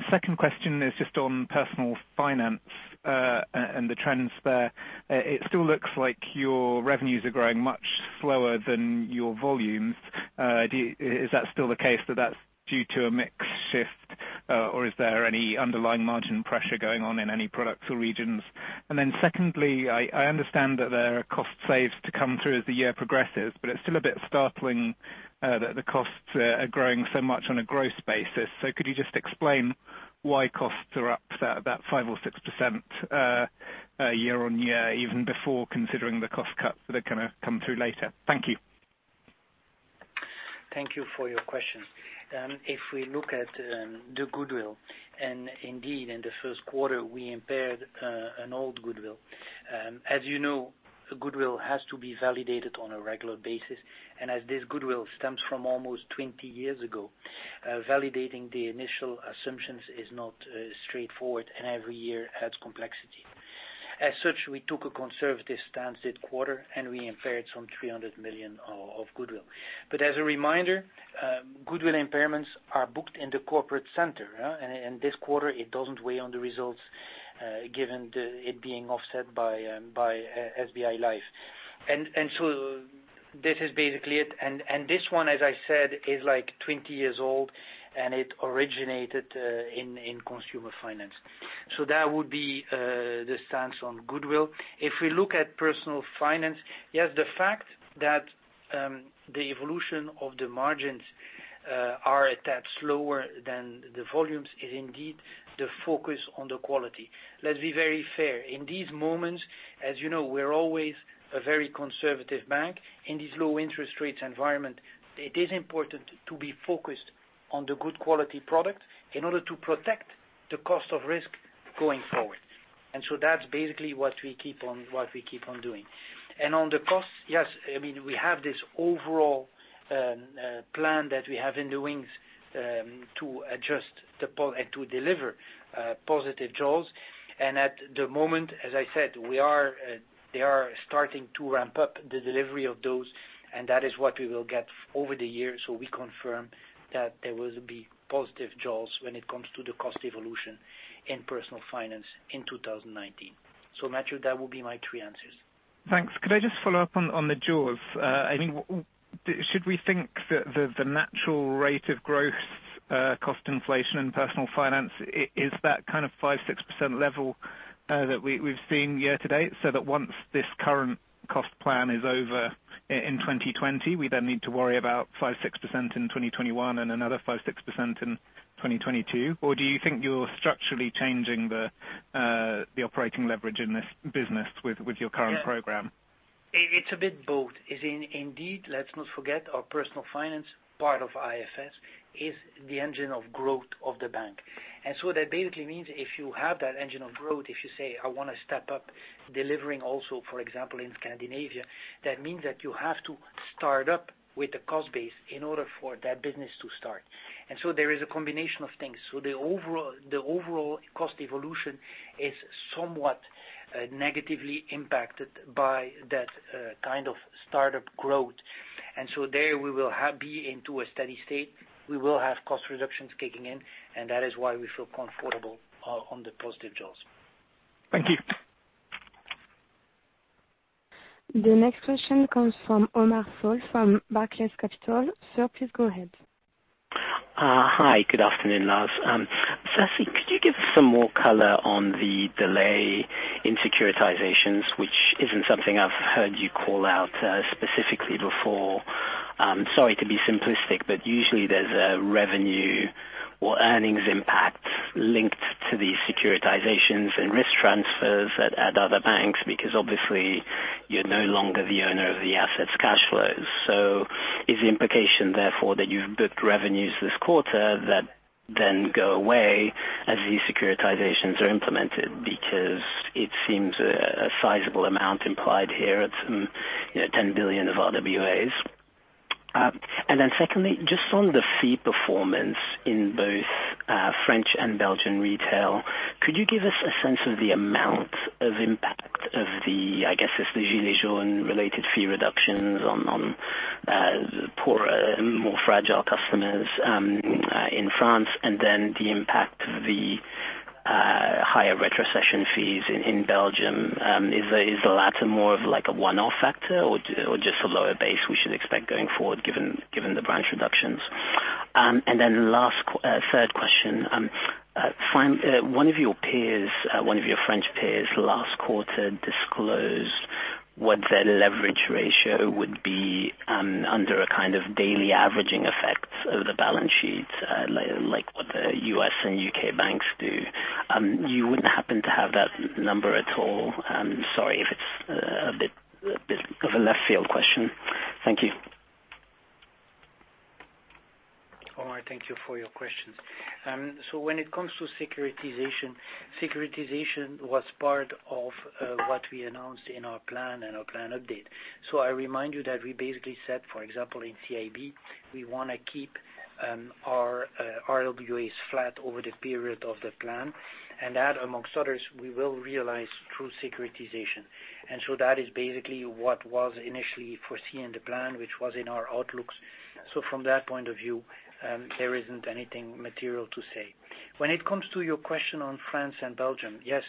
G: Second question is just on Personal Finance, and the trends there. It still looks like your revenues are growing much slower than your volumes. Is that still the case, that's due to a mix shift? Or is there any underlying margin pressure going on in any products or regions? Secondly, I understand that there are cost saves to come through as the year progresses, but it's still a bit startling that the costs are growing so much on a gross basis. Could you just explain why costs are up about 5% or 6% year-on-year, even before considering the cost cuts that are going to come through later? Thank you.
A: Thank you for your question. If we look at the goodwill. Indeed, in the first quarter, we impaired an old goodwill. As you know, goodwill has to be validated on a regular basis. As this goodwill stems from almost 20 years ago, validating the initial assumptions is not straightforward. Every year adds complexity. As such, we took a conservative stance this quarter. We impaired some 300 million of goodwill. As a reminder, goodwill impairments are booked in the corporate center. This quarter, it doesn't weigh on the results, given it being offset by SBI Life. This is basically it. This one, as I said, is 20 years old. It originated in consumer finance. That would be the stance on goodwill. If we look at Personal Finance, yes, the fact that the evolution of the margins are at that slower than the volumes is indeed the focus on the quality. Let's be very fair. In these moments, as you know, we're always a very conservative bank. In this low interest rates environment, it is important to be focused on the good quality product in order to protect the cost of risk going forward. That's basically what we keep on doing. On the cost, yes, we have this overall plan that we have in the wings to adjust the poll and to deliver positive jaws. At the moment, as I said, they are starting to ramp up the delivery of those. That is what we will get over the years. We confirm that there will be positive jaws when it comes to the cost evolution in Personal Finance in 2019. Matthew, that will be my three answers.
G: Thanks. Could I just follow up on the jaws? Should we think that the natural rate of growth, cost inflation, and Personal Finance, is that 5%-6% level that we've seen year-to-date, so that once this current cost plan is over in 2020, we then need to worry about 5%-6% in 2021 and another 5%-6% in 2022? Or do you think you're structurally changing the operating leverage in this business with your current program?
A: It's a bit both. Indeed, let's not forget our Personal Finance part of IFS is the engine of growth of the bank. That basically means if you have that engine of growth, if you say, "I want to step up delivering also, for example, in Scandinavia," that means that you have to start up with a cost base in order for that business to start. There is a combination of things. The overall cost evolution is somewhat negatively impacted by that kind of startup growth. There we will be into a steady state. We will have cost reductions kicking in, and that is why we feel comfortable on the positive jaws.
G: Thank you.
B: The next question comes from Omar Fall, from Barclays Capital. Sir, please go ahead.
H: Hi, good afternoon, Lars. Firstly, could you give us some more color on the delay in securitizations, which isn't something I've heard you call out specifically before. Sorry to be simplistic, usually there's a revenue or earnings impact linked to these securitizations and risk transfers at other banks, because obviously you're no longer the owner of the asset's cash flows. Is the implication therefore that you've booked revenues this quarter that then go away as these securitizations are implemented? It seems a sizable amount implied here at some 10 billion of RWAs. Secondly, just on the fee performance in both French and Belgian retail, could you give us a sense of the amount of impact of the, I guess it's the Gilets jaunes related fee reductions on poorer, more fragile customers in France, and then the impact of the higher retrocession fees in Belgium. Is the latter more of like a one-off factor or just a lower base we should expect going forward, given the branch reductions? Last, third question. One of your peers, one of your French peers last quarter disclosed what their leverage ratio would be under a kind of daily averaging effect of the balance sheets, like what the U.S. and U.K. banks do. You wouldn't happen to have that number at all? Sorry if it's a bit of a left field question. Thank you.
A: Omar, thank you for your questions. When it comes to securitization was part of what we announced in our plan and our plan update. I remind you that we basically said, for example, in CIB, we want to keep our RWAs flat over the period of the plan, and that, amongst others, we will realize through securitization. That is basically what was initially foreseen in the plan, which was in our outlooks. From that point of view, there isn't anything material to say. When it comes to your question on France and Belgium, yes.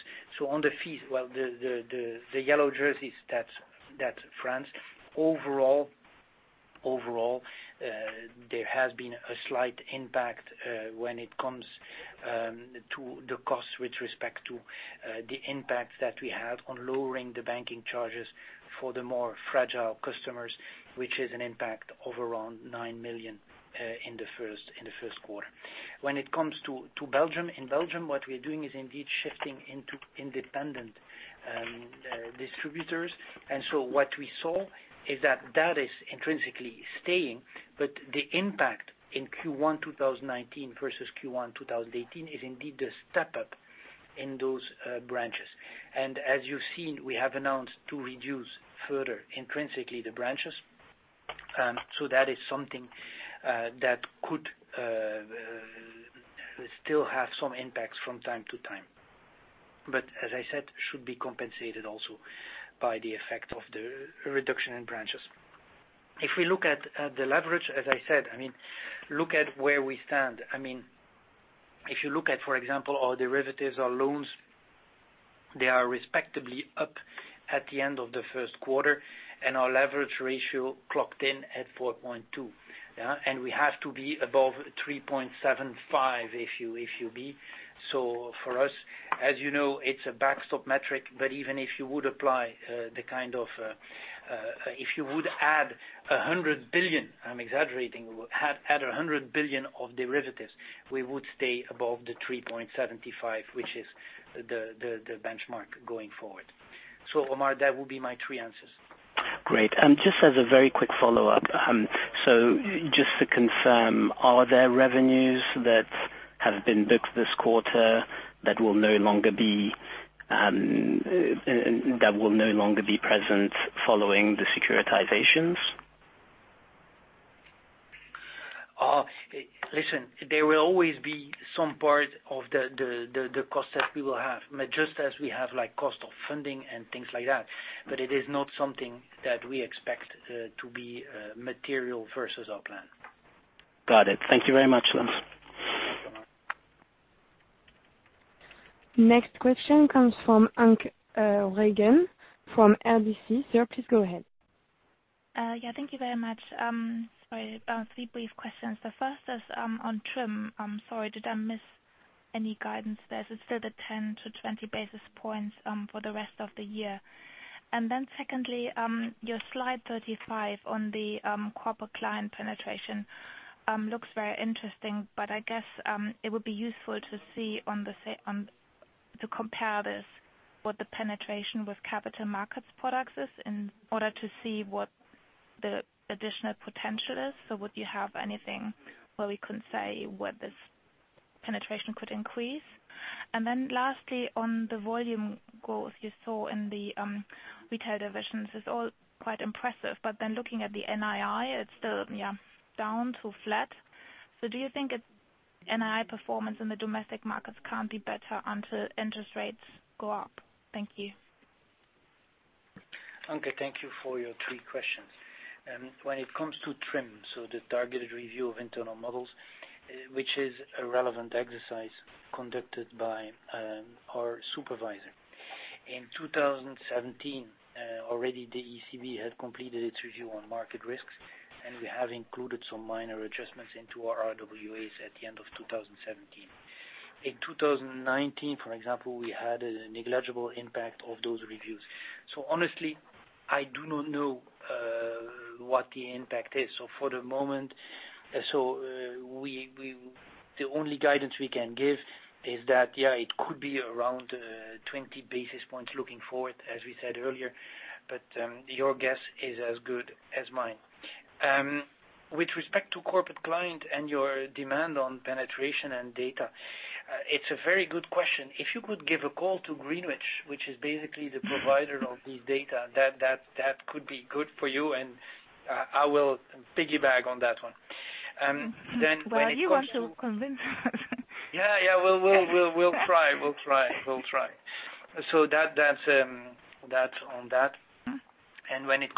A: On the fees, well, the Yellow Jerseys, that's France. Overall, there has been a slight impact when it comes to the cost with respect to the impact that we had on lowering the banking charges for the more fragile customers, which is an impact of around 9 million in the first quarter. When it comes to Belgium, in Belgium, what we're doing is indeed shifting into independent distributors. What we saw is that that is intrinsically staying, but the impact in Q1 2019 versus Q1 2018 is indeed a step up in those branches. As you've seen, we have announced to reduce further intrinsically the branches. That is something that could still have some impacts from time to time. As I said, should be compensated also by the effect of the reduction in branches. If we look at the leverage, as I said, look at where we stand. If you look at, for example, our derivatives, our loans, they are respectively up at the end of the first quarter. Our leverage ratio clocked in at 4.2. We have to be above 3.75 if you be. For us, as you know, it's a backstop metric, but even if you would add 100 billion, I'm exaggerating, add 100 billion of derivatives, we would stay above the 3.75, which is the benchmark going forward. Omar Fall, that will be my three answers.
H: Great. Just as a very quick follow-up. Just to confirm, are there revenues that have been booked this quarter that will no longer be present following the securitizations?
A: Listen, there will always be some part of the cost that we will have, just as we have cost of funding and things like that. It is not something that we expect to be material versus our plan.
H: Got it. Thank you very much, Lars.
A: Thanks, Omar.
B: Next question comes from Anke Reingen from RBC. Sir, please go ahead.
I: Yeah, thank you very much. Sorry about three brief questions. The first is on TRIM. I'm sorry, did I miss any guidance there? Is it still the 10 to 20 basis points for the rest of the year? Secondly, your slide 35 on the corporate client penetration looks very interesting, but I guess it would be useful to compare this, what the penetration with capital markets products is in order to see what the additional potential is. Would you have anything where we could say where this penetration could increase? Lastly, on the volume growth you saw in the retail divisions, is all quite impressive. Looking at the NII, it's still down to flat. Do you think NII performance in the domestic markets can be better until interest rates go up? Thank you.
A: Anke, thank you for your three questions. When it comes to TRIM, the targeted review of internal models, which is a relevant exercise conducted by our supervisor. In 2017, already the ECB had completed its review on market risks, and we have included some minor adjustments into our RWAs at the end of 2017. In 2019, for example, we had a negligible impact of those reviews. Honestly, I do not know what the impact is. For the moment, the only guidance we can give is that, yeah, it could be around 20 basis points looking forward, as we said earlier, but your guess is as good as mine. With respect to corporate client and your demand on penetration and data, it's a very good question. If you could give a call to Greenwich, which is basically the provider of these data, that could be good for you, and I will piggyback on that one. When it comes to-
I: Well, you have to convince them.
A: Yeah. We'll try. That on that. When it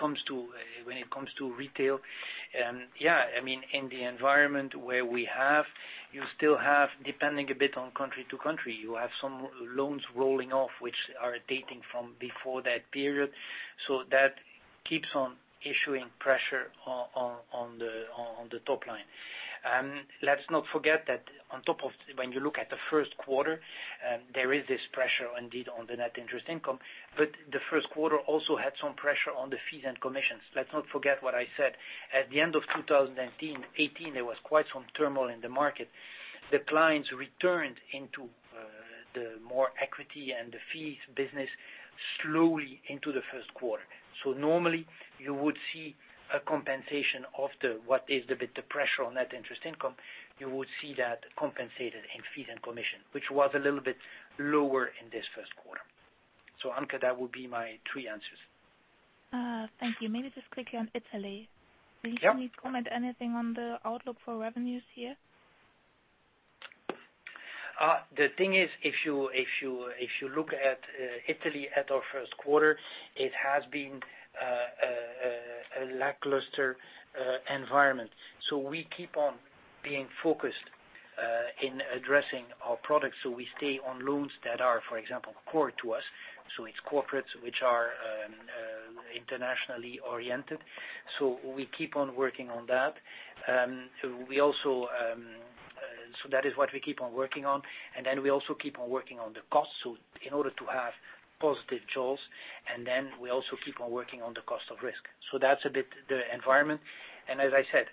A: comes to retail, yeah, in the environment where we have, you still have, depending a bit on country to country, you have some loans rolling off which are dating from before that period. That keeps on issuing pressure on the top line. Let's not forget that on top of when you look at the first quarter, there is this pressure indeed on the net interest income, the first quarter also had some pressure on the fees and commissions. Let's not forget what I said. At the end of 2018, there was quite some turmoil in the market. The clients returned into the more equity and the fees business slowly into the first quarter. Normally, you would see a compensation of what is the bit, the pressure on net interest income, you would see that compensated in fees and commission, which was a little bit lower in this first quarter. Anke, that would be my three answers.
I: Thank you. Maybe just quickly on Italy. Yeah. Will you please comment anything on the outlook for revenues here?
A: The thing is, if you look at Italy at our first quarter, it has been a lackluster environment. We keep on being focused in addressing our products, so we stay on loans that are, for example, core to us. It's corporates which are internationally oriented. We keep on working on that. That is what we keep on working on, we also keep on working on the costs, in order to have positive jaws, we also keep on working on the cost of risk. That's a bit the environment. As I said,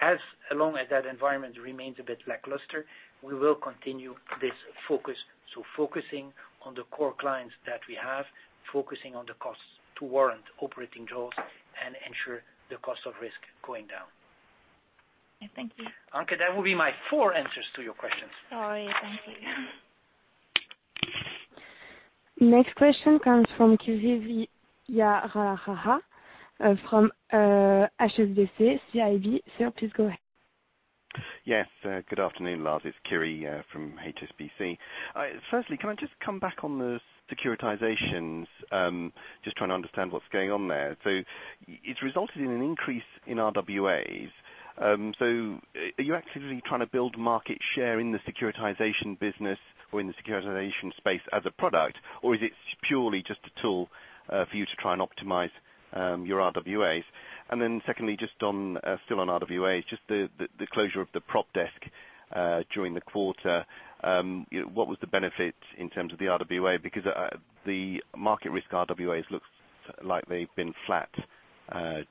A: as long as that environment remains a bit lackluster, we will continue this focus. Focusing on the core clients that we have, focusing on the costs to warrant operating jaws and ensure the cost of risk going down.
B: Thank you.
A: Anke, that would be my four answers to your questions.
B: Sorry. Thank you. Next question comes from Kiri Vijayarajah from HSBC, CIB. Sir, please go ahead.
J: Yes. Good afternoon, Lars. It's Kiri from HSBC. Firstly, can I just come back on the securitizations? Just trying to understand what's going on there. It's resulted in an increase in RWAs. Are you actively trying to build market share in the securitization business or in the securitization space as a product, or is it purely just a tool for you to try and optimize your RWAs? Secondly, just still on RWAs, just the closure of the prop desk during the quarter, what was the benefit in terms of the RWA? Because the market risk RWAs looks like they've been flat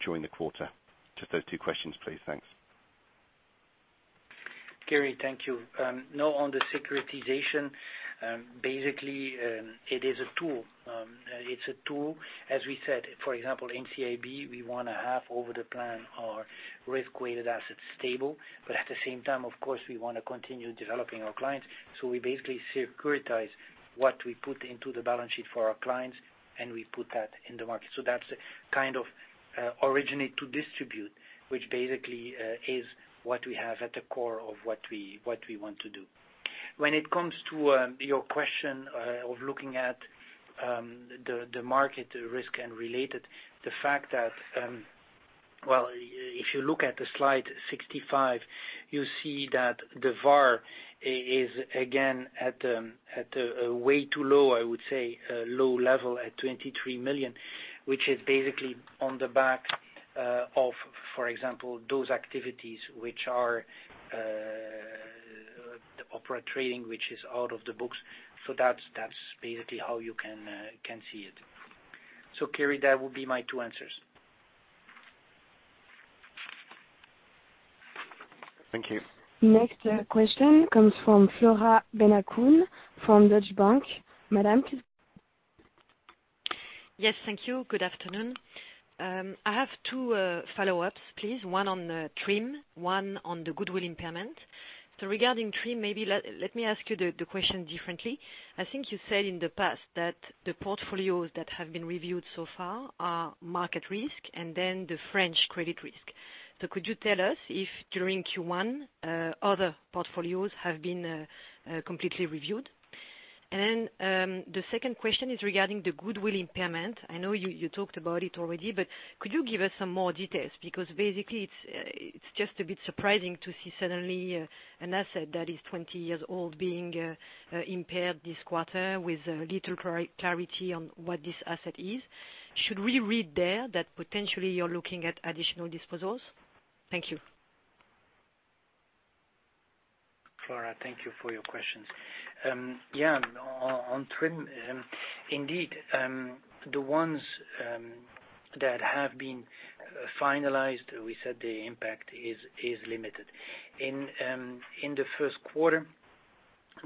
J: during the quarter. Just those two questions, please. Thanks.
A: Kiri, thank you. No, on the securitization, it is a tool. It is a tool, as we said, NCIB, we want to have over the plan our risk-weighted assets stable, at the same time, of course, we want to continue developing our clients. We securitize what we put into the balance sheet for our clients, we put that in the market. That's originate-to-distribute, which is what we have at the core of what we want to do. When it comes to your question of looking at the market risk, related, the fact that, if you look at the slide 65, you see that the VAR is again at a way too low level at 23 million, which is on the back of those activities which are the Opera Trading, which is out of the books. That's how you can see it. Kiri, that would be my two answers.
J: Thank you.
B: Next question comes from Flora Bocahut, from Deutsche Bank. Madam, please.
K: Yes. Thank you. Good afternoon. I have two follow-ups please, one on TRIM, one on the goodwill impairment. Regarding TRIM, maybe let me ask you the question differently. I think you said in the past that the portfolios that have been reviewed so far are market risk and then the French credit risk. Could you tell us if during Q1 other portfolios have been completely reviewed? The second question is regarding the goodwill impairment. I know you talked about it already, could you give us some more details? It's just a bit surprising to see suddenly an asset that is 20 years old being impaired this quarter with little clarity on what this asset is. Should we read there that potentially you're looking at additional disposals? Thank you.
A: Flora, thank you for your questions. On TRIM, indeed, the ones that have been finalized, we said the impact is limited. In the first quarter,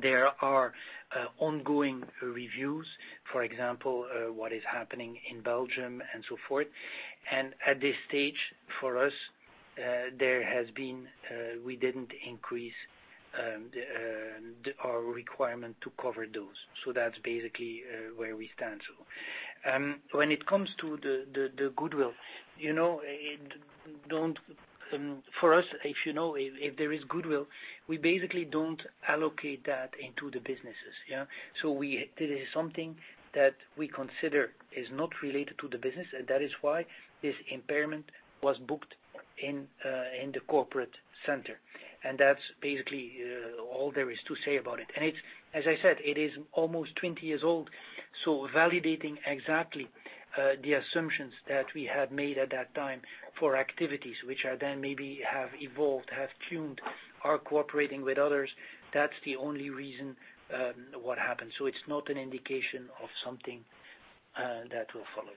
A: there are ongoing reviews, for example, what is happening in Belgium and so forth. At this stage, for us, we didn't increase our requirement to cover those. That's basically where we stand. When it comes to the goodwill, for us, if you know, if there is goodwill, we basically don't allocate that into the businesses. This is something that we consider is not related to the business, and that is why this impairment was booked in the corporate center. That's basically all there is to say about it. As I said, it is almost 20 years old, so validating exactly the assumptions that we had made at that time for activities which are then maybe have evolved, have tuned, are cooperating with others, that's the only reason what happened. It's not an indication of something that will follow.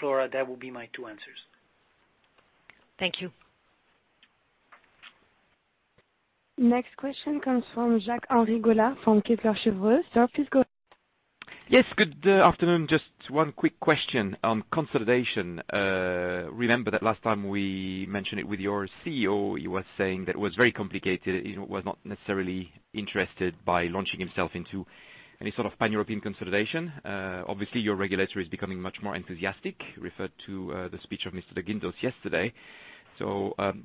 A: Flora, that would be my two answers.
K: Thank you.
B: Next question comes from Jacques-Henri Gaulard from Kepler Cheuvreux. Sir, please go ahead.
L: Yes, good afternoon. Just one quick question on consolidation. Remember that last time we mentioned it with your CEO, he was saying that it was very complicated, he was not necessarily interested by launching himself into any sort of pan-European consolidation. Obviously, your regulator is becoming much more enthusiastic, referred to the speech of Mr. de Guindos yesterday.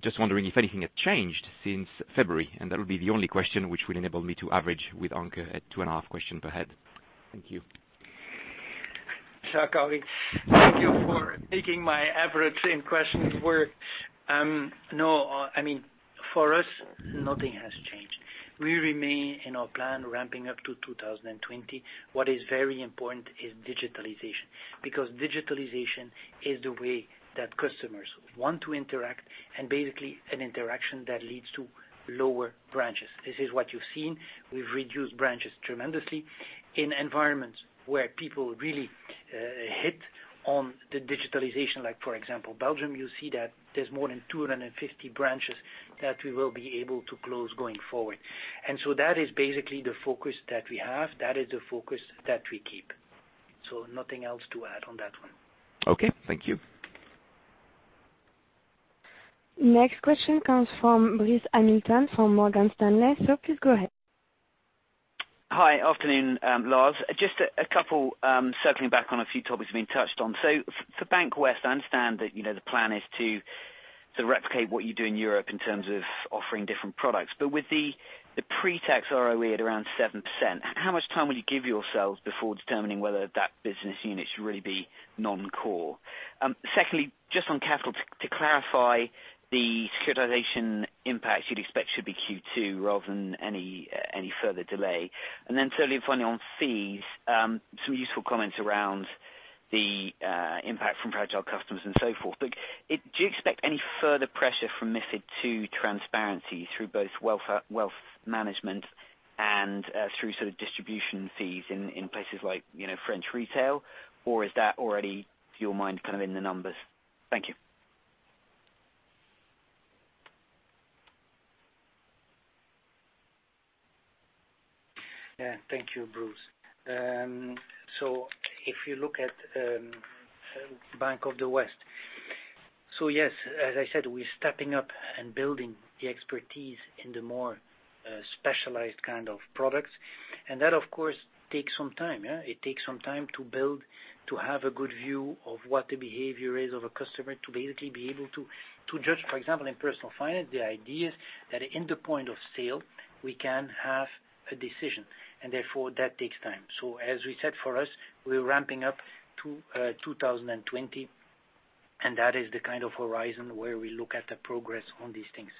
L: Just wondering if anything has changed since February, and that would be the only question which will enable me to average with Anke at two and a half questions per head. Thank you.
A: Jacques-Henri, thank you for making my average in questions work. No, for us, nothing has changed. We remain in our plan ramping up to 2020. What is very important is digitalization, because digitalization is the way that customers want to interact, and basically an interaction that leads to lower branches. This is what you've seen. We've reduced branches tremendously in environments where people really hit on the digitalization, like for example, Belgium, you see that there's more than 250 branches that we will be able to close going forward. That is basically the focus that we have. That is the focus that we keep. Nothing else to add on that one.
L: Okay, thank you.
B: Next question comes from Bruce Hamilton from Morgan Stanley. Sir, please go ahead.
M: Hi. Afternoon, Lars. Just circling back on a few topics we touched on. For Bank West, I understand that the plan is to replicate what you do in Europe in terms of offering different products. With the pre-tax ROE at around 7%, how much time will you give yourselves before determining whether that business unit should really be non-core? Secondly, just on capital, to clarify the securitization impact you'd expect should be Q2 rather than any further delay. Thirdly and finally on fees, some useful comments around the impact from fragile customers and so forth. Do you expect any further pressure from MiFID II transparency through both Wealth Management and through distribution fees in places like French retail? Is that already, to your mind, in the numbers? Thank you.
A: Thank you, Bruce. If you look at Bank of the West, yes, as I said, we're stepping up and building the expertise in the more specialized kind of products. That, of course, takes some time, yeah. It takes some time to build, to have a good view of what the behavior is of a customer, to basically be able to judge. For example, in Personal Finance, the idea is that in the point of sale, we can have a decision, therefore that takes time. As we said, for us, we're ramping up to 2020, and that is the kind of horizon where we look at the progress on these things.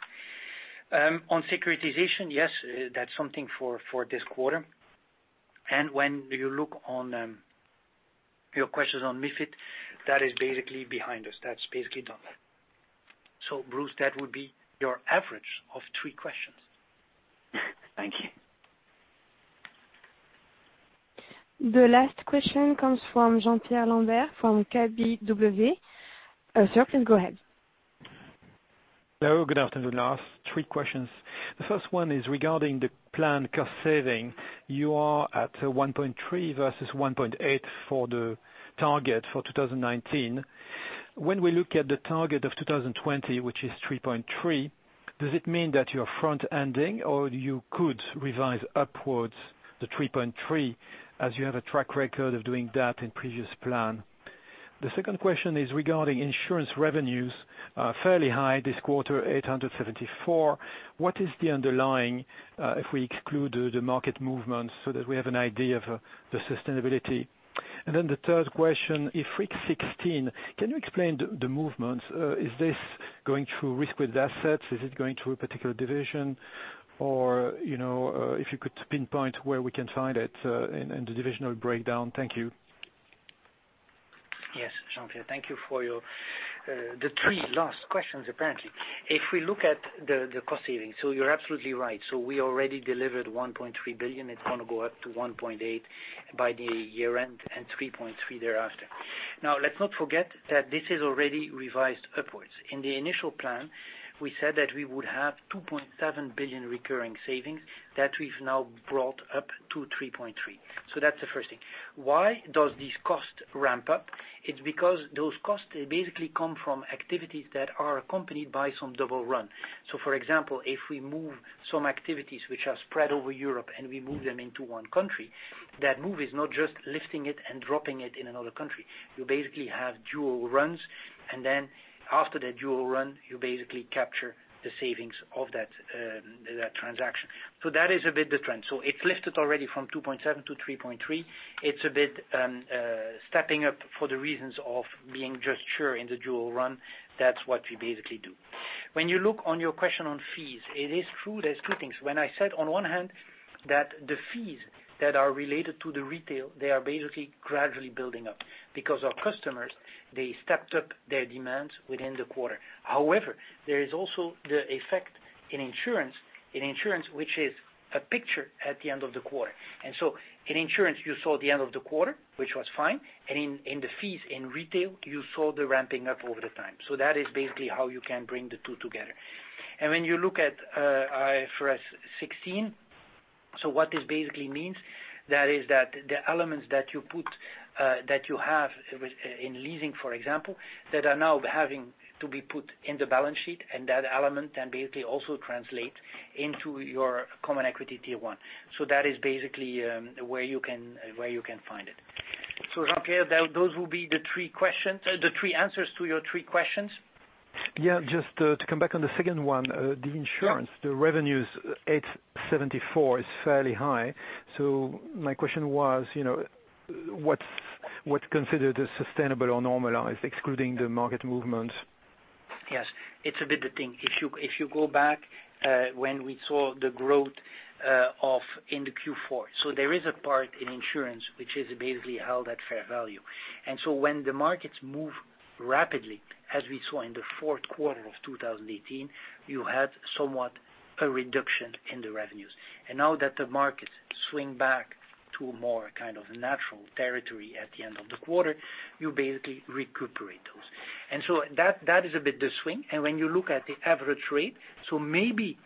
A: On securitization, yes, that's something for this quarter. When you look on your questions on MiFID, that is basically behind us. That's basically done. Bruce, that would be your average of three questions.
M: Thank you.
B: The last question comes from Jean-Pierre Lambert from KBW. Sir, please go ahead.
N: Hello. Good afternoon, Lars. Three questions. The first one is regarding the planned cost saving. You are at 1.3 billion versus 1.8 billion for the target for 2019. When we look at the target of 2020, which is 3.3 billion, does it mean that you're front-ending, or you could revise upwards the 3.3 billion, as you have a track record of doing that in previous plan? The second question is regarding insurance revenues, fairly high this quarter, 874. What is the underlying, if we exclude the market movements so that we have an idea of the sustainability? The third question, IFRS 16, can you explain the movements? Is this going through risk-weighted assets? Is it going through a particular division? Or if you could pinpoint where we can find it in the divisional breakdown. Thank you.
A: Yes, Jean-Pierre. Thank you for the three last questions, apparently. If we look at the cost savings, you're absolutely right. We already delivered 1.3 billion. It's going to go up to 1.8 billion by the year-end and 3.3 billion thereafter. Let's not forget that this is already revised upwards. In the initial plan, we said that we would have 2.7 billion recurring savings that we've now brought up to 3.3 billion. That's the first thing. Why does this cost ramp up? It's because those costs basically come from activities that are accompanied by some double run. For example, if we move some activities which are spread over Europe and we move them into one country, that move is not just lifting it and dropping it in another country. You basically have dual runs, and then after the dual run, you basically capture the savings of that transaction. That is a bit the trend. It's lifted already from 2.7 billion to 3.3 billion. It's a bit stepping up for the reasons of being just sure in the dual run. That's what we basically do. When you look on your question on fees, it is true. There's two things. When I said on one hand that the fees that are related to the retail, they are basically gradually building up because our customers, they stepped up their demands within the quarter. However, there is also the effect in insurance, which is a picture at the end of the quarter. In insurance, you saw the end of the quarter, which was fine, and in the fees in retail, you saw the ramping up over the time. That is basically how you can bring the two together. When you look at IFRS 16. What this basically means is that the elements that you have in leasing, for example, that are now having to be put in the balance sheet, and that element can basically also translate into your Common Equity Tier 1. That is basically where you can find it. Jean-Pierre, those will be the three answers to your three questions.
N: Just to come back on the second one, the insurance, the revenues, 874 is fairly high. My question was, what's considered a sustainable or normalized, excluding the market movement?
A: It's a bit the thing. If you go back, when we saw the growth in the Q4. There is a part in insurance, which is basically held at fair value. When the markets move rapidly, as we saw in the fourth quarter of 2018, you had somewhat a reduction in the revenues. Now that the markets swing back to a more kind of natural territory at the end of the quarter, you basically recuperate those. That is a bit the swing. When you look at the average rate, maybe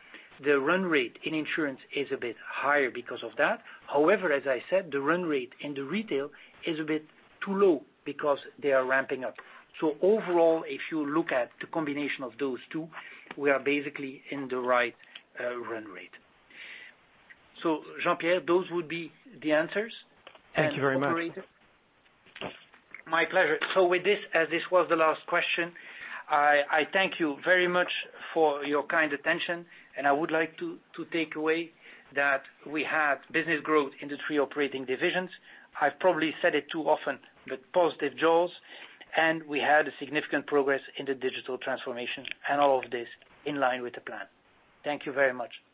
A: the run rate in insurance is a bit higher because of that. However, as I said, the run rate in the retail is a bit too low because they are ramping up. Overall, if you look at the combination of those two, we are basically in the right run rate. Jean-Pierre, those would be the answers.
N: Thank you very much.
A: My pleasure. With this, as this was the last question, I thank you very much for your kind attention. I would like to take away that we had business growth in the three operating divisions. I've probably said it too often, positive jaws. We had significant progress in the digital transformation, all of this in line with the plan. Thank you very much.